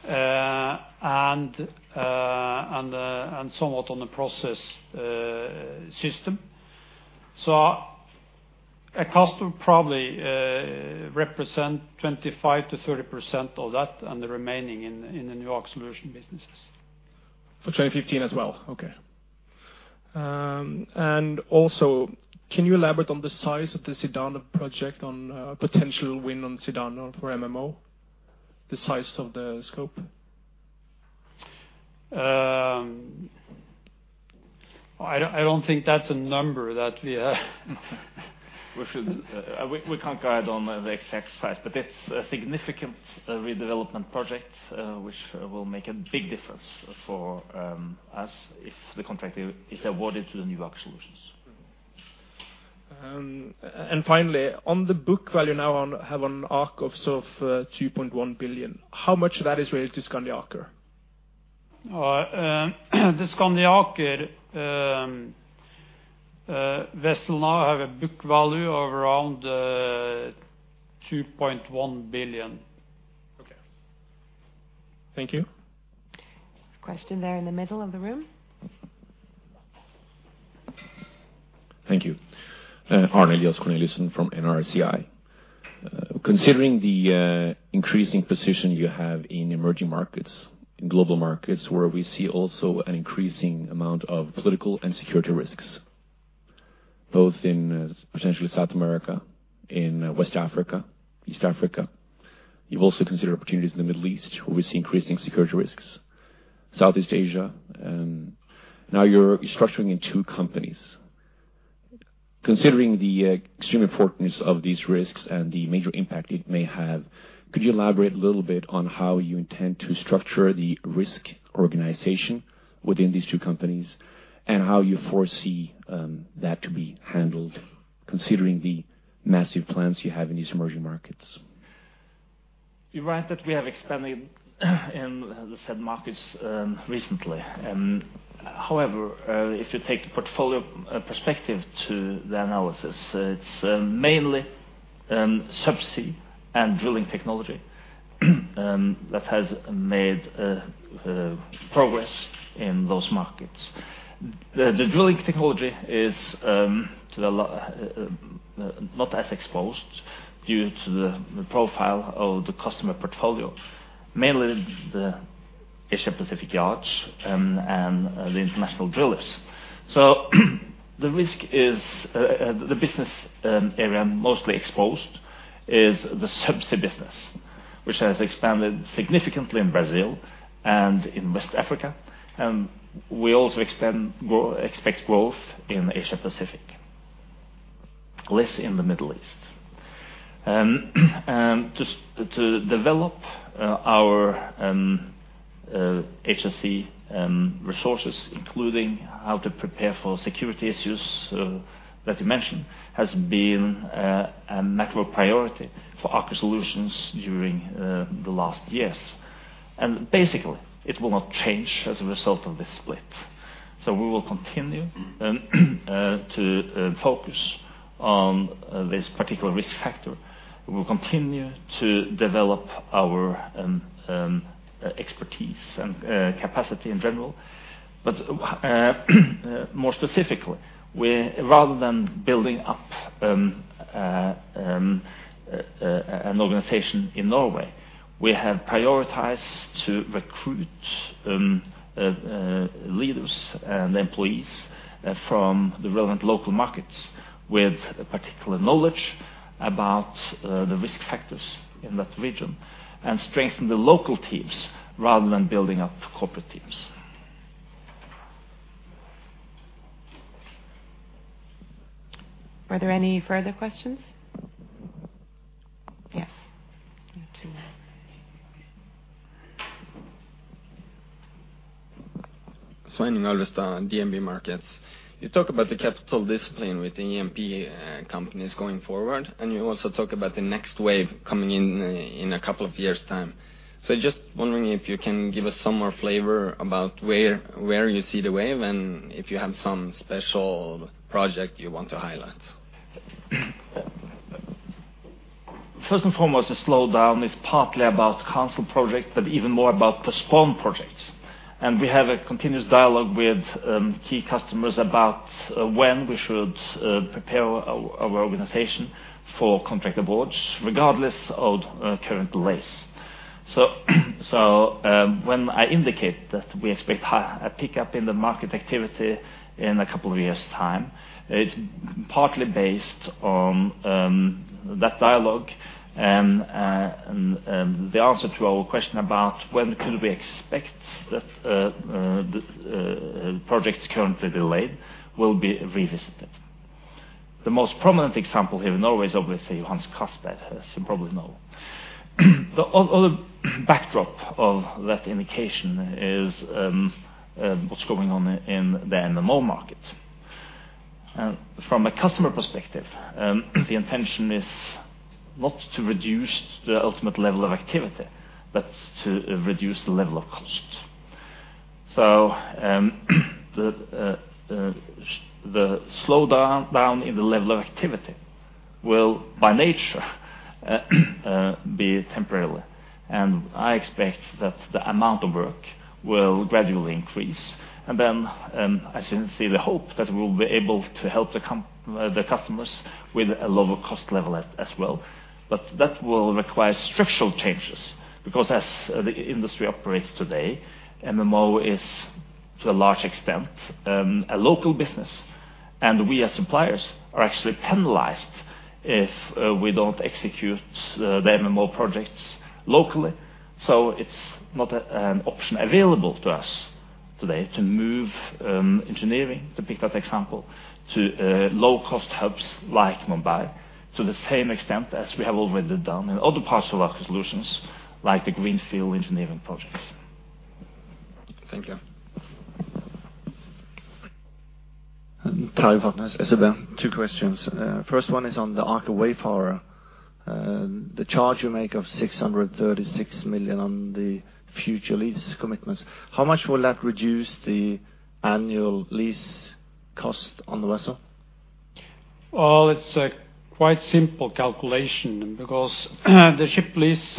and somewhat on the Process Systems. Akastor probably represent 25%-30% of that and the remaining in the new Aker Solutions businesses. For 2015 as well? Okay. Also can you elaborate on the size of the Zidane project on potential win on Zidane for MMO? The size of the scope? I don't think that's a number that we should, we can't guide on the exact size, but it's a significant redevelopment project, which will make a big difference for us if the contract is awarded to the new Aker Solutions. Finally, on the book value now on have an Aker of sort of, 2.1 billion. How much of that is related to Skandi Aker? The Skandi Aker vessel now have a book value of around 2.1 billion. Okay. Thank you. Question there in the middle of the room. Thank you. Arnold, you're right that we have expanded in the said markets recently. If you take the portfolio perspective to the analysis, it's mainly subsea and drilling technology that has made progress in those markets. The drilling technology is not as exposed due to the profile of the customer portfolio, mainly the Asia Pacific yards and the international drillers. The risk is the business area mostly exposed is the subsea business, which has expanded significantly in Brazil and in West Africa. We also expect growth in Asia Pacific, less in the Middle East. To develop our HSE resources, including how to prepare for security issues that you mentioned, has been a network priority for Aker Solutions during the last years. Basically, it will not change as a result of this split. We will continue to focus on this particular risk factor. We will continue to develop our expertise and capacity in general. More specifically, rather than building up an organization in Norway, we have prioritized to recruit leaders and employees from the relevant local markets with particular knowledge about the risk factors in that region and strengthen the local teams rather than building up corporate teams. Were there any further questions? Yes. Two more. You talk about the capital discipline with the E&P companies going forward, and you also talk about the next wave coming in in a couple of years' time. Just wondering if you can give us some more flavor about where you see the wave and if you have some special project you want to highlight? First and foremost, the slowdown is partly about canceled projects, but even more about postponed projects. We have a continuous dialogue with key customers about when we should prepare our organization for contract awards regardless of current delays. When I indicate that we expect a pickup in the market activity in a couple of years' time, it's partly based on that dialogue and the answer to our question about when could we expect that projects currently delayed will be revisited. The most prominent example here in Norway is obviously Johan Castberg, as you probably know. The other backdrop of that indication is what's going on in the MMO market. From a customer perspective, the intention is not to reduce the ultimate level of activity, but to reduce the level of costs. The slowdown in the level of activity will by nature, be temporary. I expect that the amount of work will gradually increase. Then, I sincerely hope that we'll be able to help the customers with a lower cost level as well. That will require structural changes because as the industry operates today, MMO is, to a large extent, a local business, and we, as suppliers, are actually penalized if we don't execute the MMO projects locally. It's not an option available to us today to move engineering, to pick that example, to low-cost hubs like Mumbai to the same extent as we have already done in other parts of Aker Solutions, like the greenfield engineering projects. Thank you. Tarjei Vatne, SEB. 2 questions. First one is on the Aker Wayfarer. The charge you make of 636 million on the future lease commitments, how much will that reduce the annual lease cost on the vessel? Well, it's a quite simple calculation because the ship lease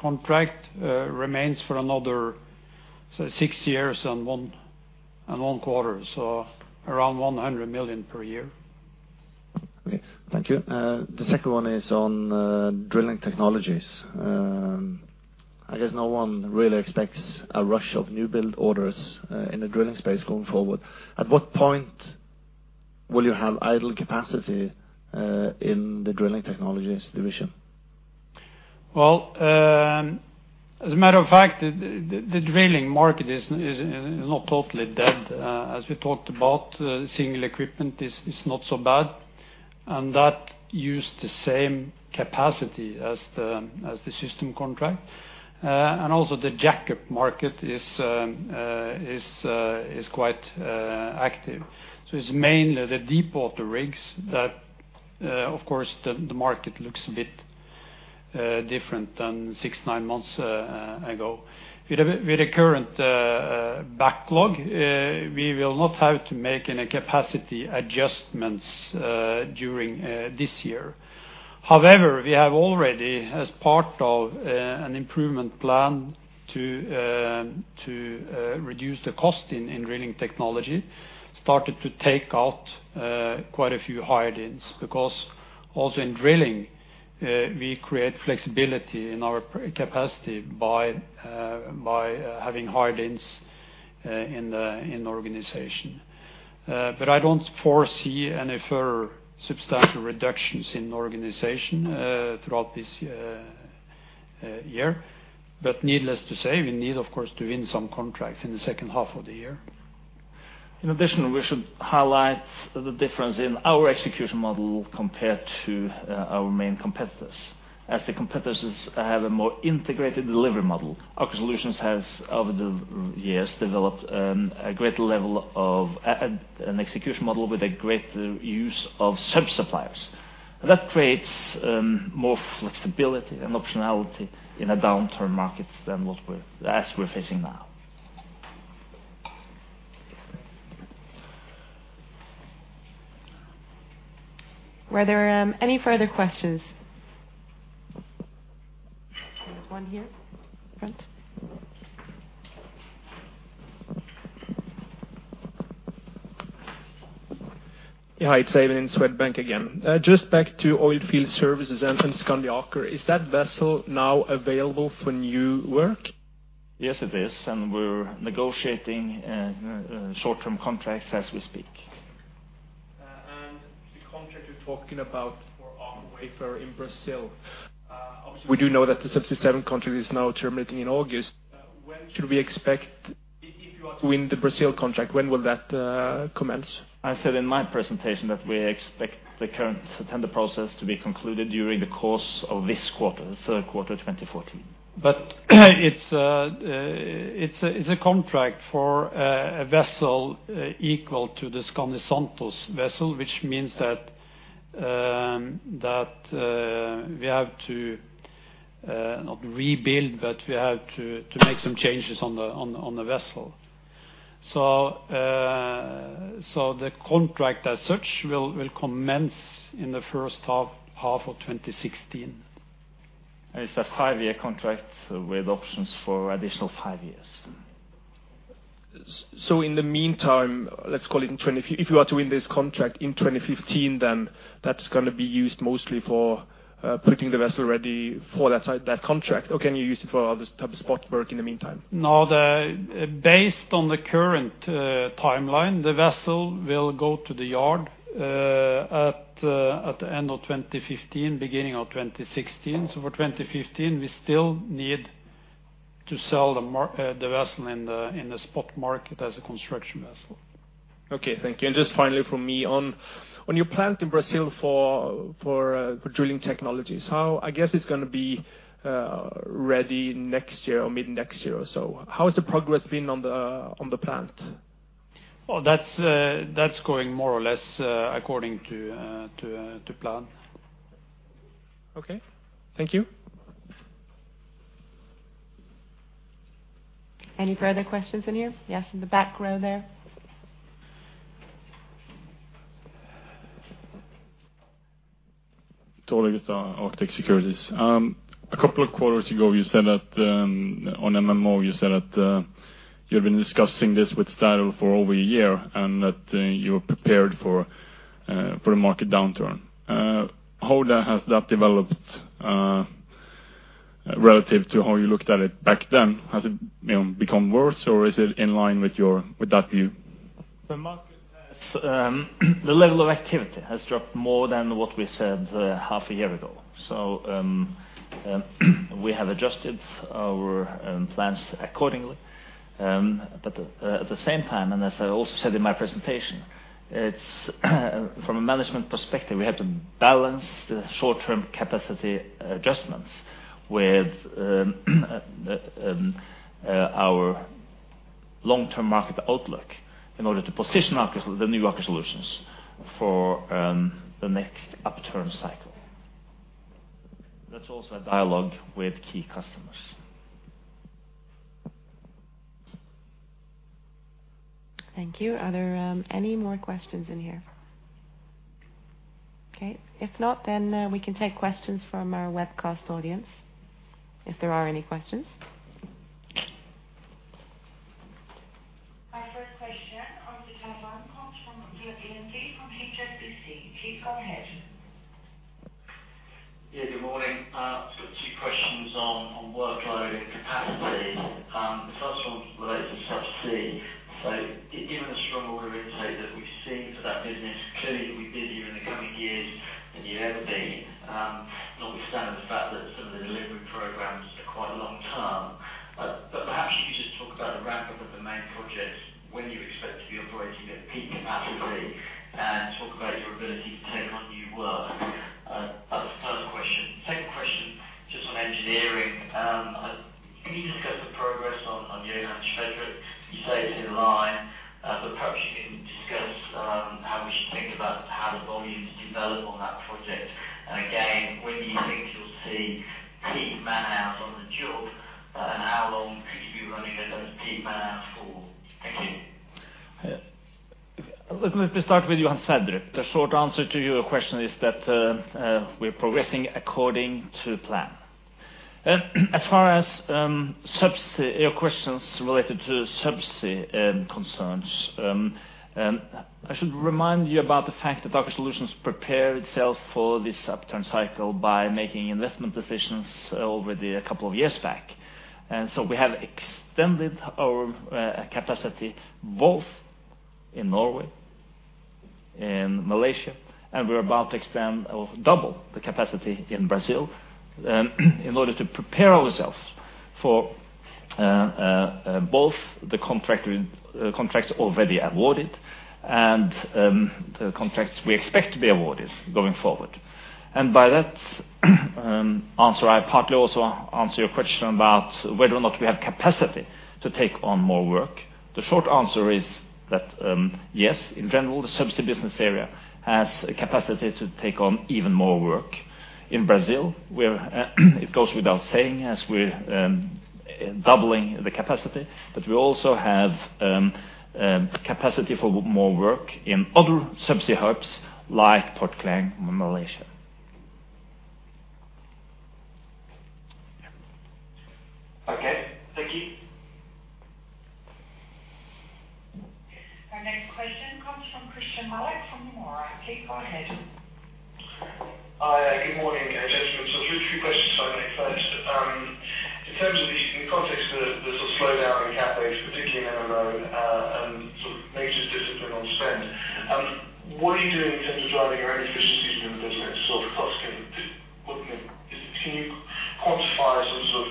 contract remains for another six years and one quarter, so around 100 million per year. Okay. Thank you. The second one is on drilling technologies. I guess no one really expects a rush of new build orders in the drilling space going forward. At what point will you have idle capacity in the drilling technologies division? Well, as a matter of fact, the drilling market is not totally dead. As we talked about, single equipment is not so bad, and that use the same capacity as the system contract. Also the jackup market is quite active. It's mainly the deepwater rigs that, of course, the market looks a bit different than six, nine months ago. With the current backlog, we will not have to make any capacity adjustments during this year. However, we have already, as part of an improvement plan to reduce the cost in drilling technology, started to take out quite a few hire-ins because also in drilling, we create flexibility in our capacity by having hire-ins in the organization. I don't foresee any further substantial reductions in the organization throughout this year. Needless to say, we need, of course, to win some contracts in the second half of the year. In addition, we should highlight the difference in our execution model compared to our main competitors. The competitors have a more integrated delivery model, Aker Solutions has, over the years, developed a great level of an execution model with a great use of sub-suppliers. That creates more flexibility and optionality in a downturn market than as we're facing now. Were there any further questions? There's one here. Front. Yeah. It's Eilert in Swedbank again. Just back to Oilfield Services and Skandi Aker, is that vessel now available for new work? Yes, it is, and we're negotiating, short-term contracts as we speak. The contract you're talking about for Aker Wayfarer in Brazil, we do know that the Subsea 7 contract is now terminating in August. When should we expect, if you are to win the Brazil contract, when will that commence? I said in my presentation that we expect the current tender process to be concluded during the course of this quarter, third quarter 2014. It's a contract for a vessel equal to the Skandi Santos vessel, which means that we have to not rebuild, but we have to make some changes on the vessel. The contract as such will commence in the first half of 2016. It's a 5-year contract with options for additional 5 years. In the meantime, If you are to win this contract in 2015, that's gonna be used mostly for putting the vessel ready for that contract, or can you use it for other type of spot work in the meantime? No, Based on the current timeline, the vessel will go to the yard at the end of 2015, beginning of 2016. For 2015, we still need to sell the vessel in the spot market as a construction vessel. Okay, thank you. Just finally from me on your plant in Brazil for drilling technologies. I guess it's gonna be ready next year or mid-next year or so. How has the progress been on the plant? Oh, that's going more or less, according to plan. Okay. Thank you. Any further questions in here? Yes, in the back row there. Torkell Stern, Arctic Securities. A couple of quarters ago, you said that, on MMO, you said that, you had been discussing this with Statoil for over a year and that, you were prepared for a market downturn. How has that developed relative to how you looked at it back then? Has it, you know, become worse, or is it in line with your, with that view? The market has, the level of activity has dropped more than what we said, half a year ago. We have adjusted our plans accordingly. At the same time, and as I also said in my presentation, it's from a management perspective, we have to balance the short-term capacity adjustments with our long-term market outlook in order to position our, the new Aker Solutions for the next upturn cycle. That's also a dialogue with key customers. Thank you. Are there any more questions in here? Okay. If not, we can take questions from our webcast audience, if there are any questions. Our first question on the telephone comes from Ian Doig from HSBC. Please go ahead. Good morning. Two questions on workload and capacity. The first one relates to subsea. Given the strong order intake that we've seen for that business, clearly we bid you in the coming years than you ever been, notwithstanding the fact that some of the delivery programs are quite long-term. Perhaps you could just talk about the ramp-up of the main projects, when you expect to be operating at peak capacity, and talk about your ability to take on new work. That's the first question. Second question, just on engineering. Can you just go through progress on Johan Sverdrup? You say it's in line, perhaps you can discuss how we should think about how the volumes develop on that project. Again, when do you think you'll see peak man-hours on the job, and how long could you be running at those peak man-hours for? Thank you. Let me start with Johan Sverdrup. The short answer to your question is that we're progressing according to plan. As far as subsea, your questions related to subsea, concerns, I should remind you about the fact that Aker Solutions prepared itself for this upturn cycle by making investment decisions over a couple of years back. We have extended our capacity both in Norway, in Malaysia, and we're about to extend or double the capacity in Brazil, in order to prepare ourselves for both the contract, contracts already awarded and the contracts we expect to be awarded going forward. By that answer, I partly also answer your question about whether or not we have capacity to take on more work. The short answer is that, yes, in general, the subsea business area has a capacity to take on even more work. In Brazil, we're, it goes without saying as we're, doubling the capacity, but we also have, capacity for more work in other subsea hubs like Port Klang, Malaysia. Okay. Thank you. Our next question comes from Christyan Malek from Nomura. Please go ahead. Hi. Good morning, gentlemen. Two questions if I may. First, in terms of the, in context of the sort of slowdown in CapEx, particularly in MMO, and sort of majors discipline on spend, what are you doing in terms of driving your own efficiencies in the business? Cost saving. Can you quantify the sort of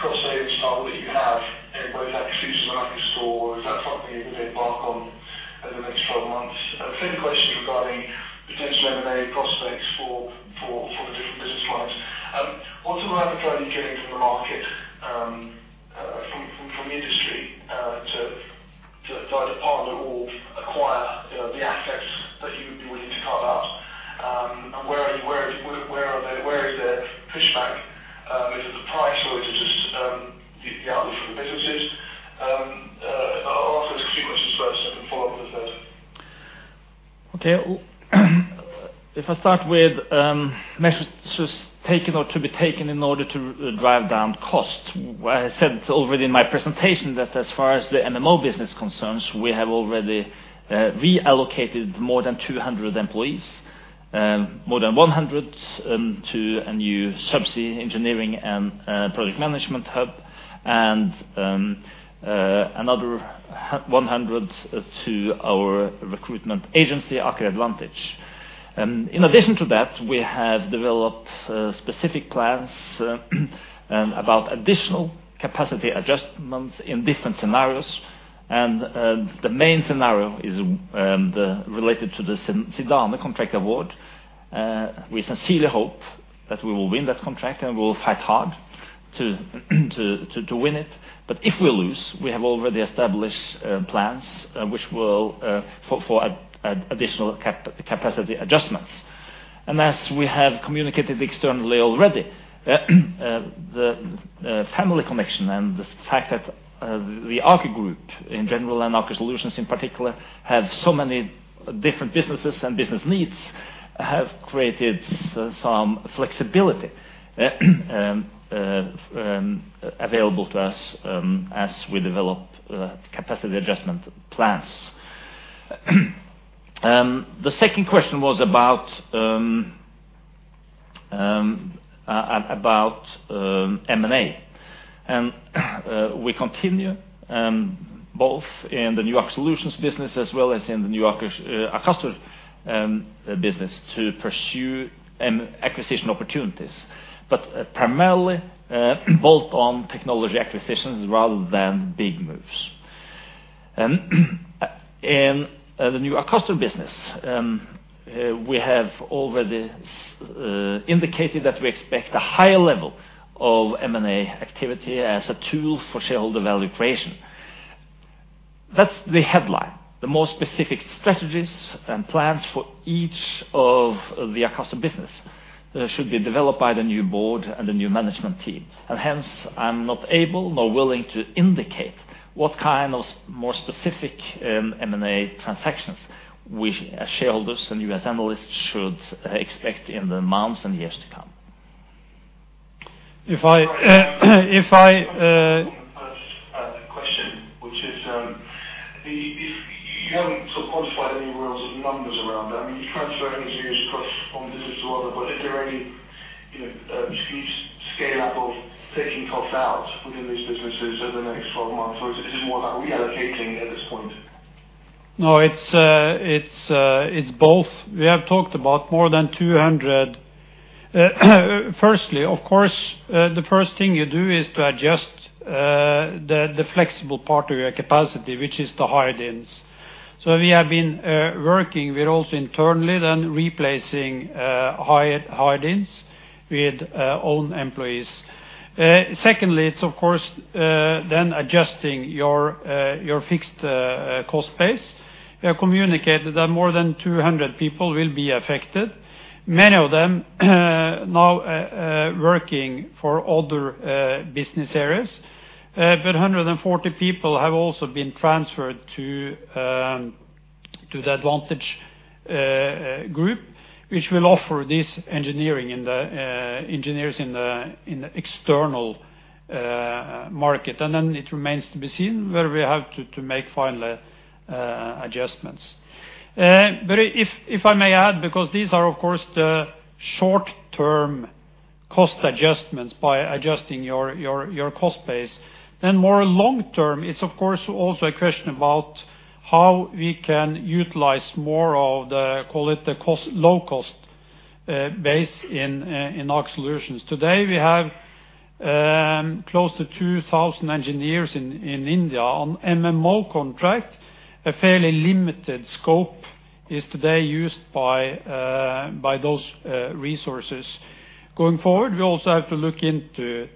cost savings now that you have in both acquisitions and Akastor? Is that something you would embark on in the next 12 months? Second question is regarding potential M&A prospects for the different business lines. What sort of appetite are you getting from the market, from industry, to either partner or acquire, you know, the assets that you would be willing to carve out? And where are you, where is the pushback? Is it the price or is it just the outlook for the businesses? I'll those two questions first, and then follow up with the third. Okay. If I start with measures taken or to be taken in order to drive down costs. I said already in my presentation that as far as the MMO business concerns, we have already reallocated more than 200 employees. More than 100 to a new subsea engineering and project management hub, and another 100 to our recruitment agency, Aker Advantage. In addition to that, we have developed specific plans about additional capacity adjustments in different scenarios. The main scenario is related to the Sin-Sidon contract award. We sincerely hope that we will win that contract, and we will fight hard to win it. If we lose, we have already established plans which will for additional capacity adjustments. As we have communicated externally already, the family connection and the fact that the Aker Group in general and Aker Solutions in particular have so many different businesses and business needs have created some flexibility available to us as we develop capacity adjustment plans. The second question was about M&A. We continue both in the new Aker Solutions business as well as in the new Akastor business to pursue acquisition opportunities. Primarily built on technology acquisitions rather than big moves. The new Akastor business, we have already indicated that we expect a higher level of M&A activity as a tool for shareholder value creation. That's the headline. The more specific strategies and plans for each of the Akastor business should be developed by the new board and the new management team. Hence, I'm not able nor willing to indicate what kind of more specific M&A transactions we as shareholders and you as analysts should expect in the months and years to come. If I. On the first question, which is, if you haven't sort of quantified any rules of numbers around that, I mean, you transfer engineers across from business to another, but is there any, you know, huge scale-up of taking costs out within these businesses over the next 12 months, or is it more about reallocating at this point? No, it's, it's both. We have talked about more than 200. Firstly, of course, the first thing you do is to adjust the flexible part of your capacity, which is the hire ins. We have been working with also internally then replacing, hire ins with, own employees. Secondly, it's of course, then adjusting your fixed, cost base. We have communicated that more than 200 people will be affected, many of them, now working for other, business areas. 140 people have also been transferred to the Advantage group, which will offer engineers in the external market. Then it remains to be seen where we have to make final, adjustments. If, if I may add, because these are of course the short-term cost adjustments by adjusting your cost base, then more long-term, it's of course also a question about how we can utilize more of the, call it, the cost, low cost, base in Aker Solutions. Today, we have, close to 2,000 engineers in India on MMO contract. A fairly limited scope is today used by those, resources. Going forward, we also have to look into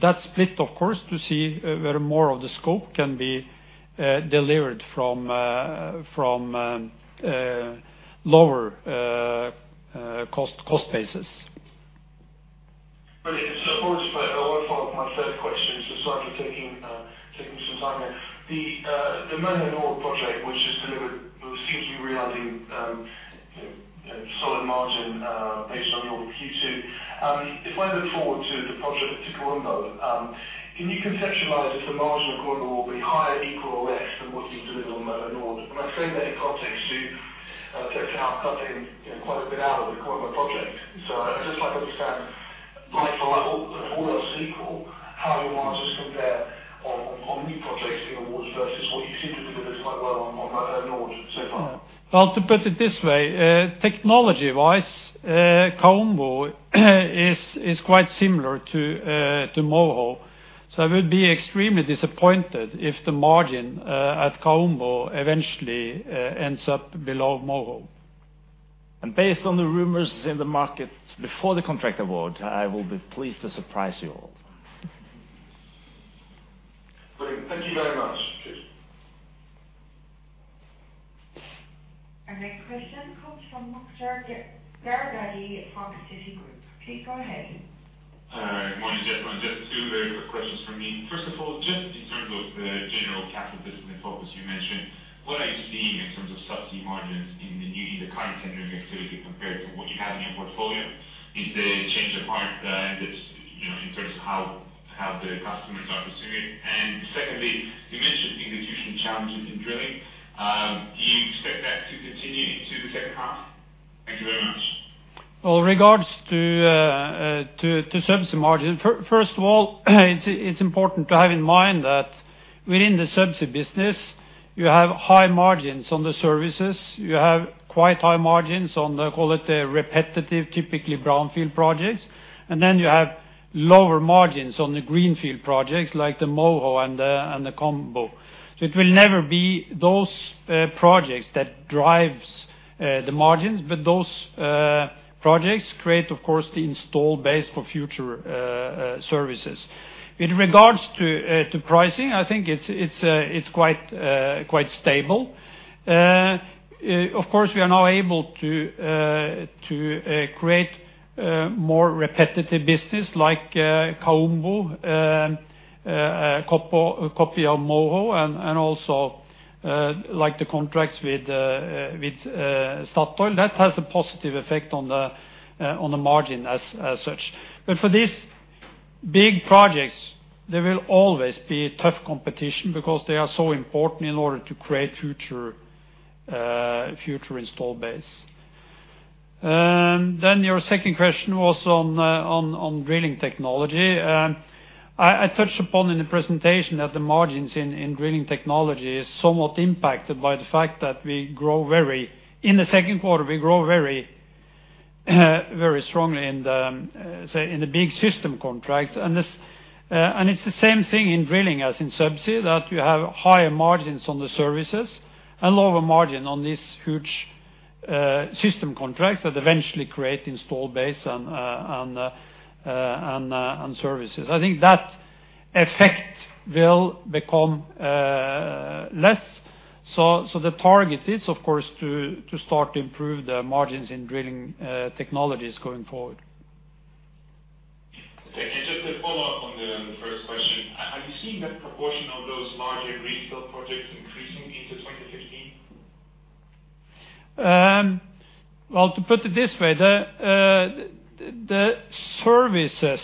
that split, of course, to see where more of the scope can be, delivered from, lower, cost bases. Brilliant. I want to follow up my third question, so sorry for taking some time there. The Moho Nord project, which we're seemingly realizing, you know, solid margin, based on Nord Q2. If I look forward to the project at Kaombo, can you conceptualize if the margin according will be higher, equal, or less than what you delivered on Moho Nord? I say that in context to Technip cutting, you know, quite a bit out of the Kaombo project. I'd just like to understand, like for, like all else equal, how your margins compare on new projects being awards versus what you seem to be delivering quite well on Moho Nord so far. Well, to put it this way, technology-wise, Kaombo is quite similar to Moho. I would be extremely disappointed if the margin at Kaombo eventually ends up below Moho. Based on the rumors in the market before the contract award, I will be pleased to surprise you all. Thank you very much. Cheers. Our next question comes from Moktar Darbadi from Citigroup. Please go ahead. Good morning, everyone. Just two very quick questions from me. First of all, just in terms of the general capital discipline focus you mentioned, what are you seeing in terms of Subsea margins in the current tender activity compared to what you have in your portfolio? Is there a change of heart in this, you know, in terms of how the customers are pursuing it? Secondly, you mentioned the execution challenges in drilling. Do you expect that to continue into the second half? Thank you very much. Well, regards to Subsea margin. First of all, it's important to have in mind that within the Subsea business you have high margins on the services. You have quite high margins on the, call it, repetitive, typically brownfield projects. You have lower margins on the greenfield projects like the Moho and the Kaombo. It will never be those projects that drives the margins, but those projects create, of course, the install base for future services. In regards to pricing, I think it's quite stable. Of course, we are now able to create more repetitive business like Kaombo, Cop-Copio Moho and also like the contracts with Statoil. That has a positive effect on the on the margin as as such. For these big projects, there will always be tough competition because they are so important in order to create future future install base. Then your second question was on on on drilling technology. I touched upon in the presentation that the margins in in drilling technology is somewhat impacted by the fact that In the second quarter, we grow very very strongly in the say, in the big system contracts. This and it's the same thing in drilling as in Subsea, that you have higher margins on the services and lower margin on these huge system contracts that eventually create install base and services. I think that effect will become less. The target is, of course, to start to improve the margins in drilling technologies going forward. Okay. Just a follow-up on the first question. Have you seen that proportion of those larger greenfield projects increasing into 2015? Well, to put it this way, the services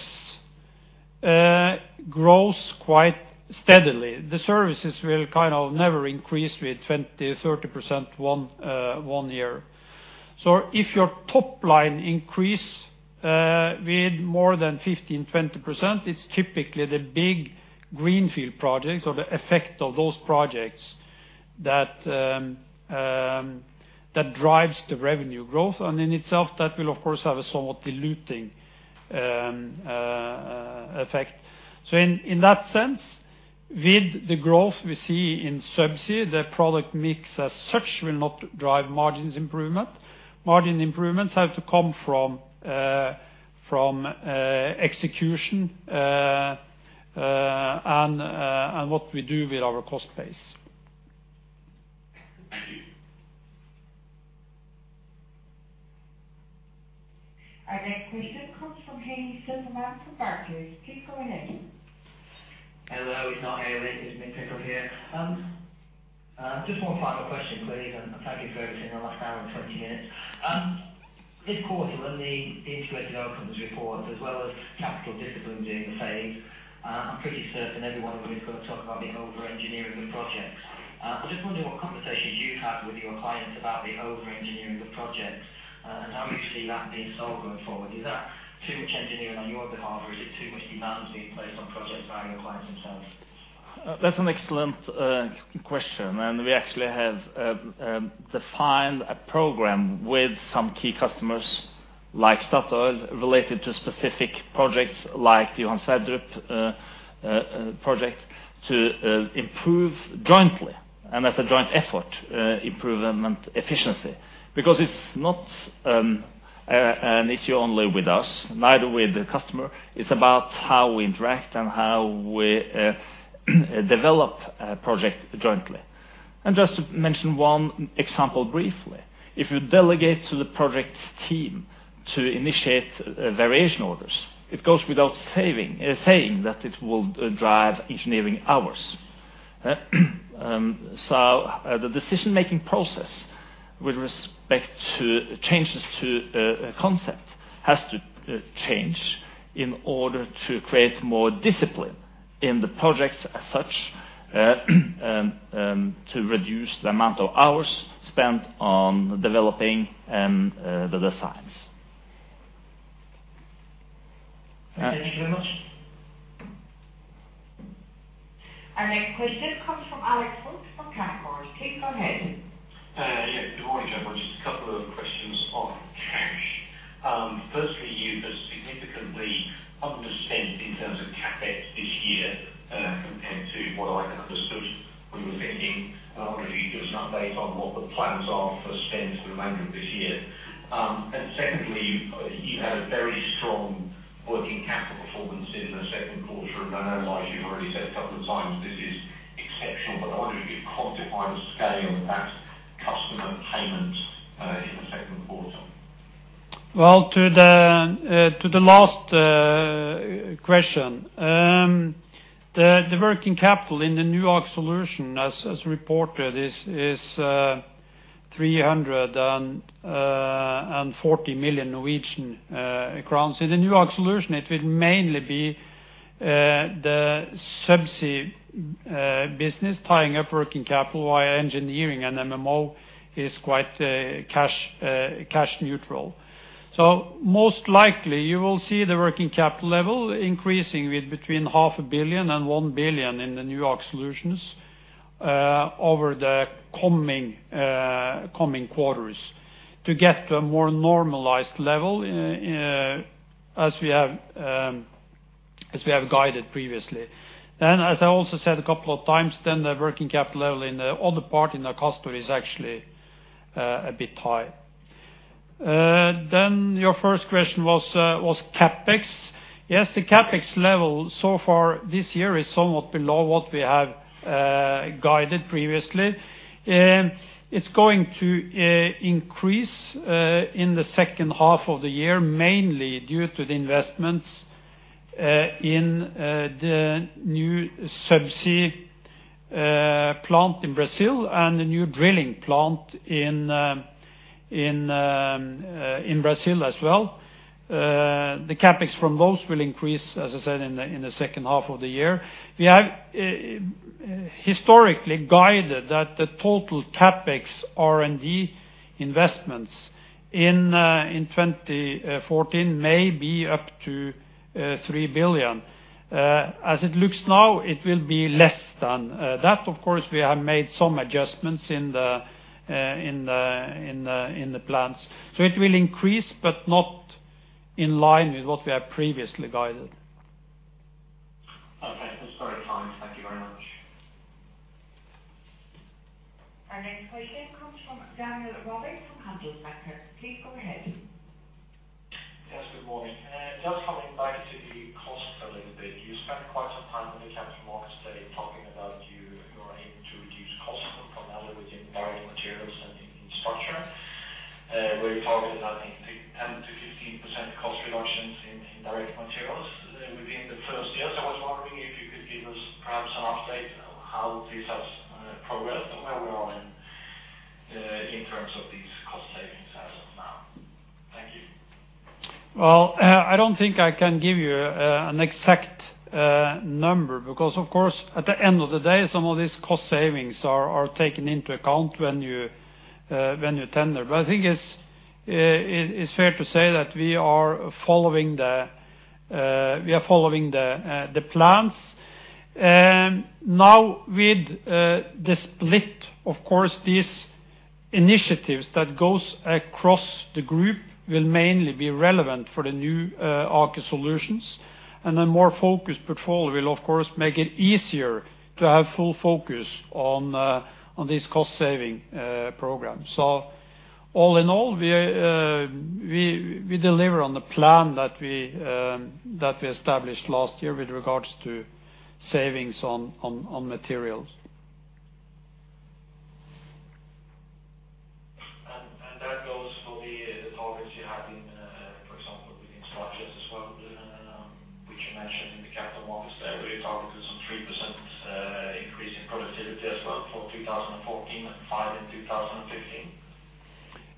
grows quite steadily. The services will kind of never increase with 20%, 30% one year. If your top line increase with more than 15%, 20%, it's typically the big greenfield projects or the effect of those projects that drives the revenue growth. And in itself, that will of course have a somewhat diluting effect. In that sense, with the growth we see in Subsea, the product mix as such will not drive margins improvement. Margin improvements have to come from from execution and what we do with our cost base. Thank you. Our next question comes from Haley Silverman from Barclays. Please go ahead. Hello, it's not Hayley. It's Mick Pickup here. Just one final question, please, and thank you for everything in the last one hour and 20 minutes. This quarter and the integrated outcomes report, as well as capital discipline being the theme, I'm pretty certain everyone is gonna talk about the over-engineering of projects. I'm just wondering what conversations you've had with your clients about the over-engineering of projects, and how you see that being solved going forward. Is that too much engineering on your behalf, or is it too much demands being placed on projects by your clients themselves? That's an excellent question. We actually have defined a program with some key customers like Statoil related to specific projects like the Johan Sverdrup project to improve jointly, and as a joint effort, improvement efficiency. It's not an issue only with us, neither with the customer. It's about how we interact and how we develop a project jointly. Just to mention one example briefly. If you delegate to the project's team to initiate variation orders, it goes without saying that it will drive engineering hours. The decision-making process with respect to changes to concept has to change in order to create more discipline in the projects as such to reduce the amount of hours spent on developing the designs. Thank you very much. Our next question comes from Alex Brooks from Canaccord Genuity. Please go ahead. Yeah. Good morning, everyone. Just a couple of questions on cash. Firstly, you've significantly underspent in terms of CapEx this year, compared to what I think. picking, and I wonder if you could give us an update on what the plans are for spend for the remainder of this year. Secondly, you've had a very strong working capital performance in the second quarter. I know, like you've already said a couple of times, this is exceptional. But I wonder if you could quantify the scale of that customer payment in the second quarter. Well, to the last question. The working capital in the new Aker Solutions as reported is 340 million Norwegian crowns. In the new Aker Solutions, it will mainly be the subsea business tying up working capital, while engineering and MMO is quite cash neutral. Most likely you will see the working capital level increasing with between half a billion NOK and 1 billion NOK in the new Aker Solutions over the coming quarters to get to a more normalized level as we have guided previously. As I also said a couple of times, the working capital level in the other part in Akastor is actually a bit high. Your first question was CapEx. Yes. The CapEx level so far this year is somewhat below what we have guided previously. It's going to increase in the second half of the year, mainly due to the investments in the new subsea plant in Brazil and the new drilling plant in Brazil as well. The CapEx from those will increase, as I said, in the second half of the year. We have historically guided that the total CapEx R&D investments in 2014 may be up to 3 billion. As it looks now, it will be less than that. Of course, we have made some adjustments in the plans. It will increase, but not in line with what we have previously guided. Okay. That's very kind. Thank you very much. Our next question comes from Daniel Råvik from Handelsbanken. Please go ahead. Yes, good morning. Just coming back to costs a little bit. You spent quite some time with the capital markets today talking about your aim to reduce costs, primarily within direct materials and in structure, where you targeted, I think, 10%-15% cost reductions in direct materials within the first years. I was wondering if you could give us perhaps an update on how this has progressed and where we are in terms of these cost savings as of now. Thank you. Well, I don't think I can give you an exact number because of course, at the end of the day, some of these cost savings are taken into account when you when you tender. I think it's fair to say that we are following the plans. With the split, of course, these initiatives that goes across the group will mainly be relevant for the new Aker Solutions, and a more focused portfolio will of course make it easier to have full focus on these cost saving programs. All in all, we deliver on the plan that we that we established last year with regards to savings on materials.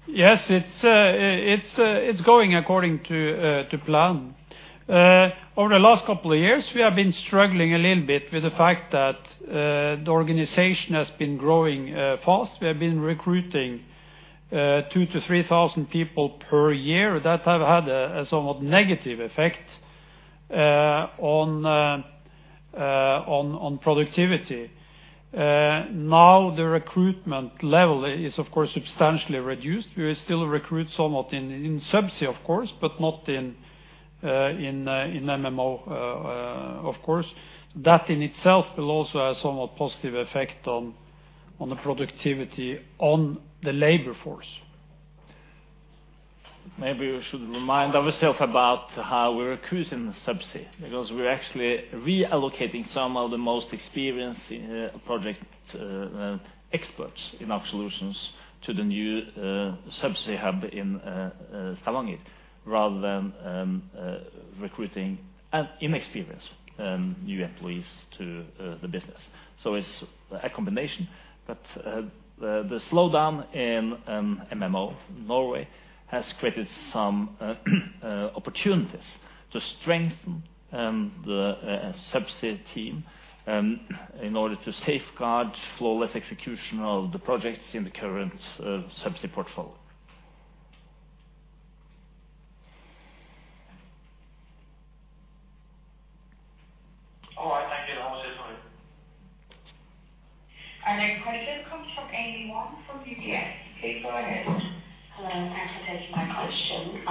That goes for the targets you had in, for example, within structures as well, which you mentioned in the capital markets day, where you targeted some 3% increase in productivity as well for 2014 and 5% in 2015. Yes. It's going according to plan. Over the last couple of years, we have been struggling a little bit with the fact that the organization has been growing fast. We have been recruiting 2,000-3,000 people per year. That have had a somewhat negative effect on productivity. Now the recruitment level is of course substantially reduced. We will still recruit somewhat in subsea of course, but not in MMO of course. That in itself will also have somewhat positive effect on the productivity on the labor force. Maybe we should remind ourself about how we're recruiting subsea, because we're actually reallocating some of the most experienced project experts in Aker Solutions to the new subsea hub in Stavanger, rather than recruiting inexperienced new employees to the business. It's a combination, but the slowdown in MMO Norway has created some opportunities to strengthen the subsea team in order to safeguard flawless execution of the projects in the current subsea portfolio. All right, thank you. That was it for me. Our next question comes from Amy Wong from UBS. Please go ahead. Hello, thanks for taking my question.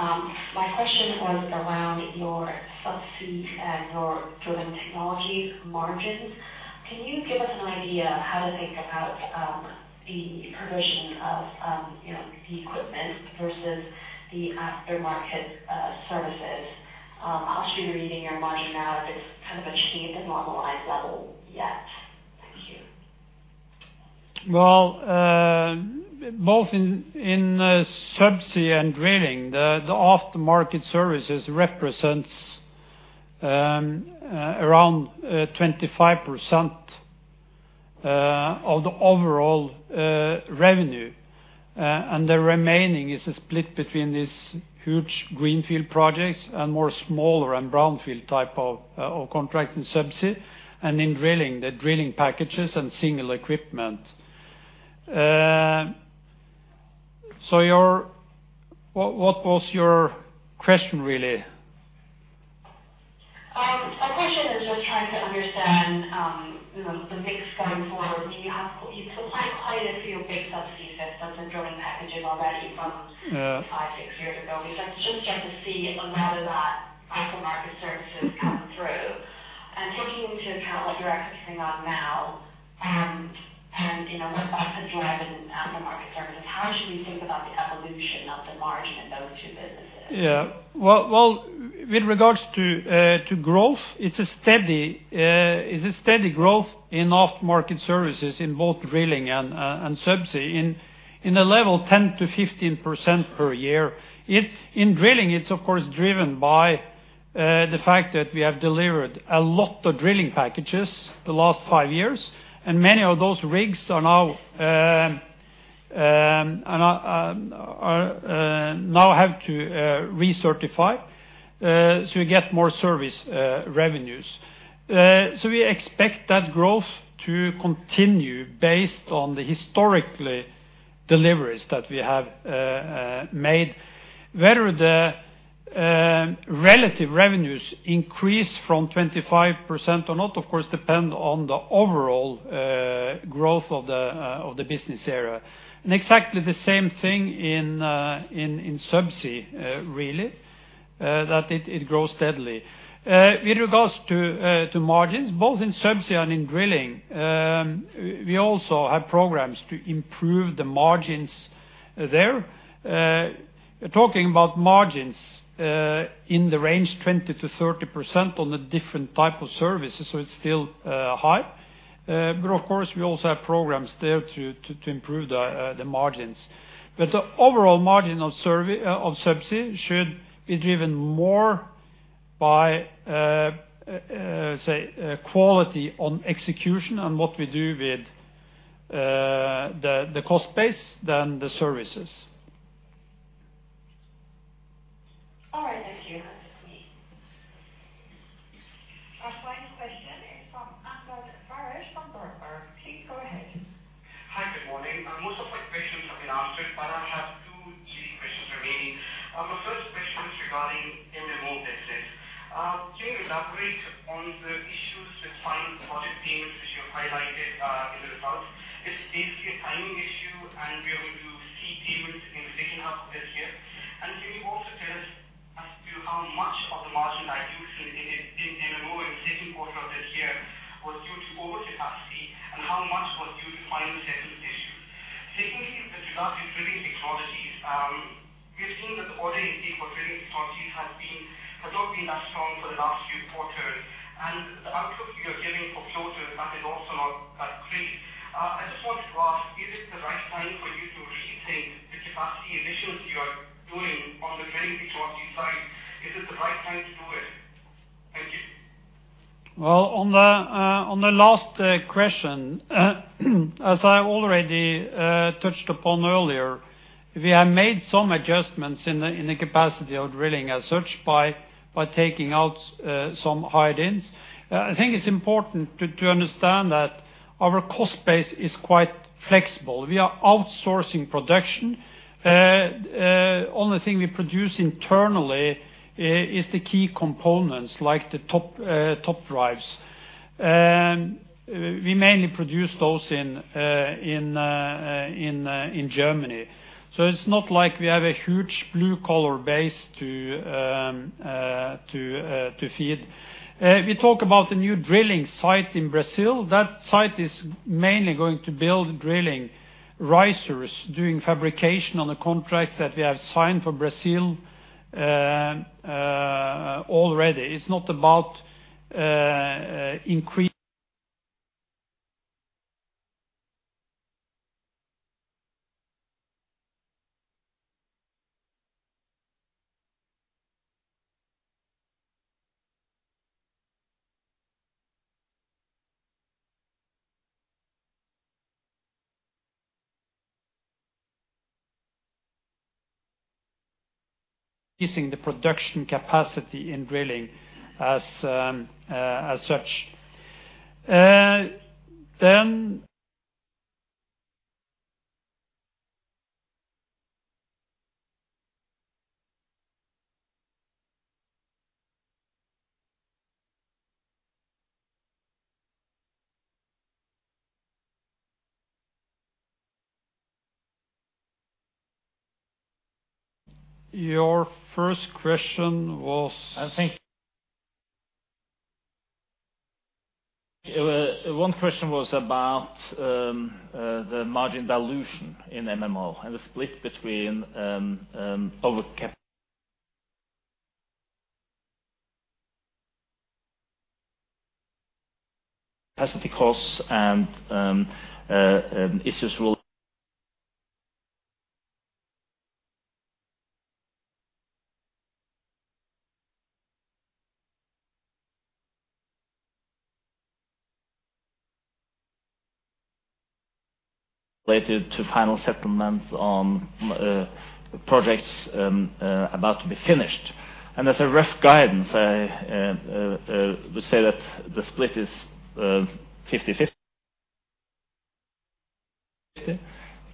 My question was around your subsea and your drilling technologies margins. Can you give us an idea how to think about, you know, the progression of the equipment versus the aftermarket services, as you're reading your margin now, if it's kind of achieved a normalized level yet? Thank you. Well, both in subsea and drilling, the aftermarket services represents, around 25% of the overall revenue. The remaining is split between these huge greenfield projects and more smaller and brownfield type of contract in subsea, and in drilling, the drilling packages and single equipment. What, what was your question really? My question is just trying to understand, you know, the mix going forward. I mean, you've supplied quite a few big subsea systems and drilling packages already from- Yeah. 5, 6 years ago. I'd just like to see whether that aftermarket services come through. Taking into account what you're executing on now and, you know, what that could drive in aftermarket services, how should we think about the evolution of the margin in those two businesses? Yeah. Well, with regards to growth, it's a steady, it's a steady growth in aftermarket services in both drilling and subsea in a level 10%-15% per year. In drilling, it's of course driven by the fact that we have delivered a lot of drilling packages the last 5 years, and many of those rigs now have to recertify, so we get more service revenues. We expect that growth to continue based on the historically deliveries that we have made. Whether the relative revenues increase from 25% or not, of course, depend on the overall growth of the business area. Exactly the same thing in subsea, really, that it grows steadily. With regards to margins, both in subsea and in drilling, we also have programs to improve the margins there. Talking about margins in the range 20%-30% on the different type of services, so it's still high. Of course, we also have programs there to improve the margins. The overall margin of subsea should be driven more by, say, quality on execution and what we do with the cost base than the services. All right, thank you. Our final question is from Amjad Azmi from Bloomberg. Please go ahead. Hi, good morning. Most of my questions have been answered, I have two easy questions remaining. My first question is regarding MMO deficit. Can you elaborate on the issues with final project payments, which you've highlighted in the results? It's basically a timing issue, we are going to see payments in the second half of this year. Can you also tell us as to how much of the margin dilution in MMO in the second quarter of this year was due to overcapacity, and how much was due to final settlement issue? Secondly, with regards to drilling technologies, we have seen that the order intake for drilling technologies has not been that strong for the last few quarters. The outlook you are giving for closures that is also not that great. I just wanted to ask, is it the right time for you to rethink the capacity initiatives you are doing on the drilling technology side? Is it the right time to do it? Thank you. Well, on the last question, as I already touched upon earlier, we have made some adjustments in the capacity of drilling as such by taking out some hire-ins. I think it's important to understand that our cost base is quite flexible. We are outsourcing production. Only thing we produce internally is the key components, like the top drives. We mainly produce those in Germany. It's not like we have a huge blue-collar base to feed. If you talk about the new drilling site in Brazil, that site is mainly going to build drilling risers, doing fabrication on the contracts that we have signed for Brazil already. It's not about, increasing the production capacity in drilling as such. Your first question was? One question was about the margin dilution in MMO and the split between capacity costs and issues related to final settlements on projects about to be finished. As a rough guidance, I would say that the split is 50/50.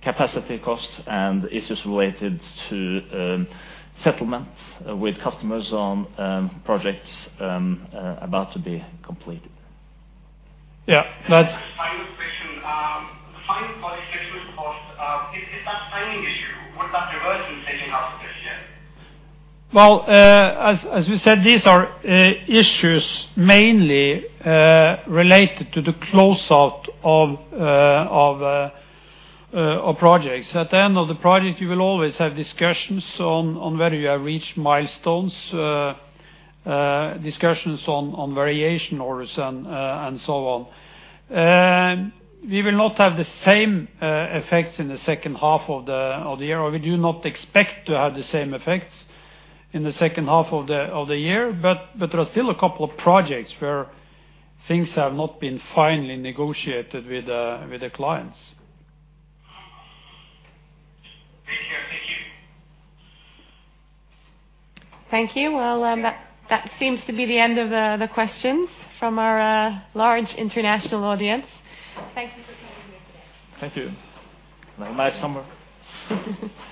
Capacity costs and issues related to settlement with customers on projects about to be completed. Yeah. Final question. The final quality schedule cost is that timing issue, would that diverge in taking half of this year? Well, as we said, these are issues mainly related to the close out of projects. At the end of the project, you will always have discussions on whether you have reached milestones, discussions on variation orders and so on. We will not have the same effects in the second half of the year, or we do not expect to have the same effects in the second half of the year. There are still a couple of projects where things have not been finally negotiated with the clients. Thank you. Thank you. Thank you. Well, that seems to be the end of the questions from our large international audience. Thank you for coming here today. Thank you. Have a nice summer.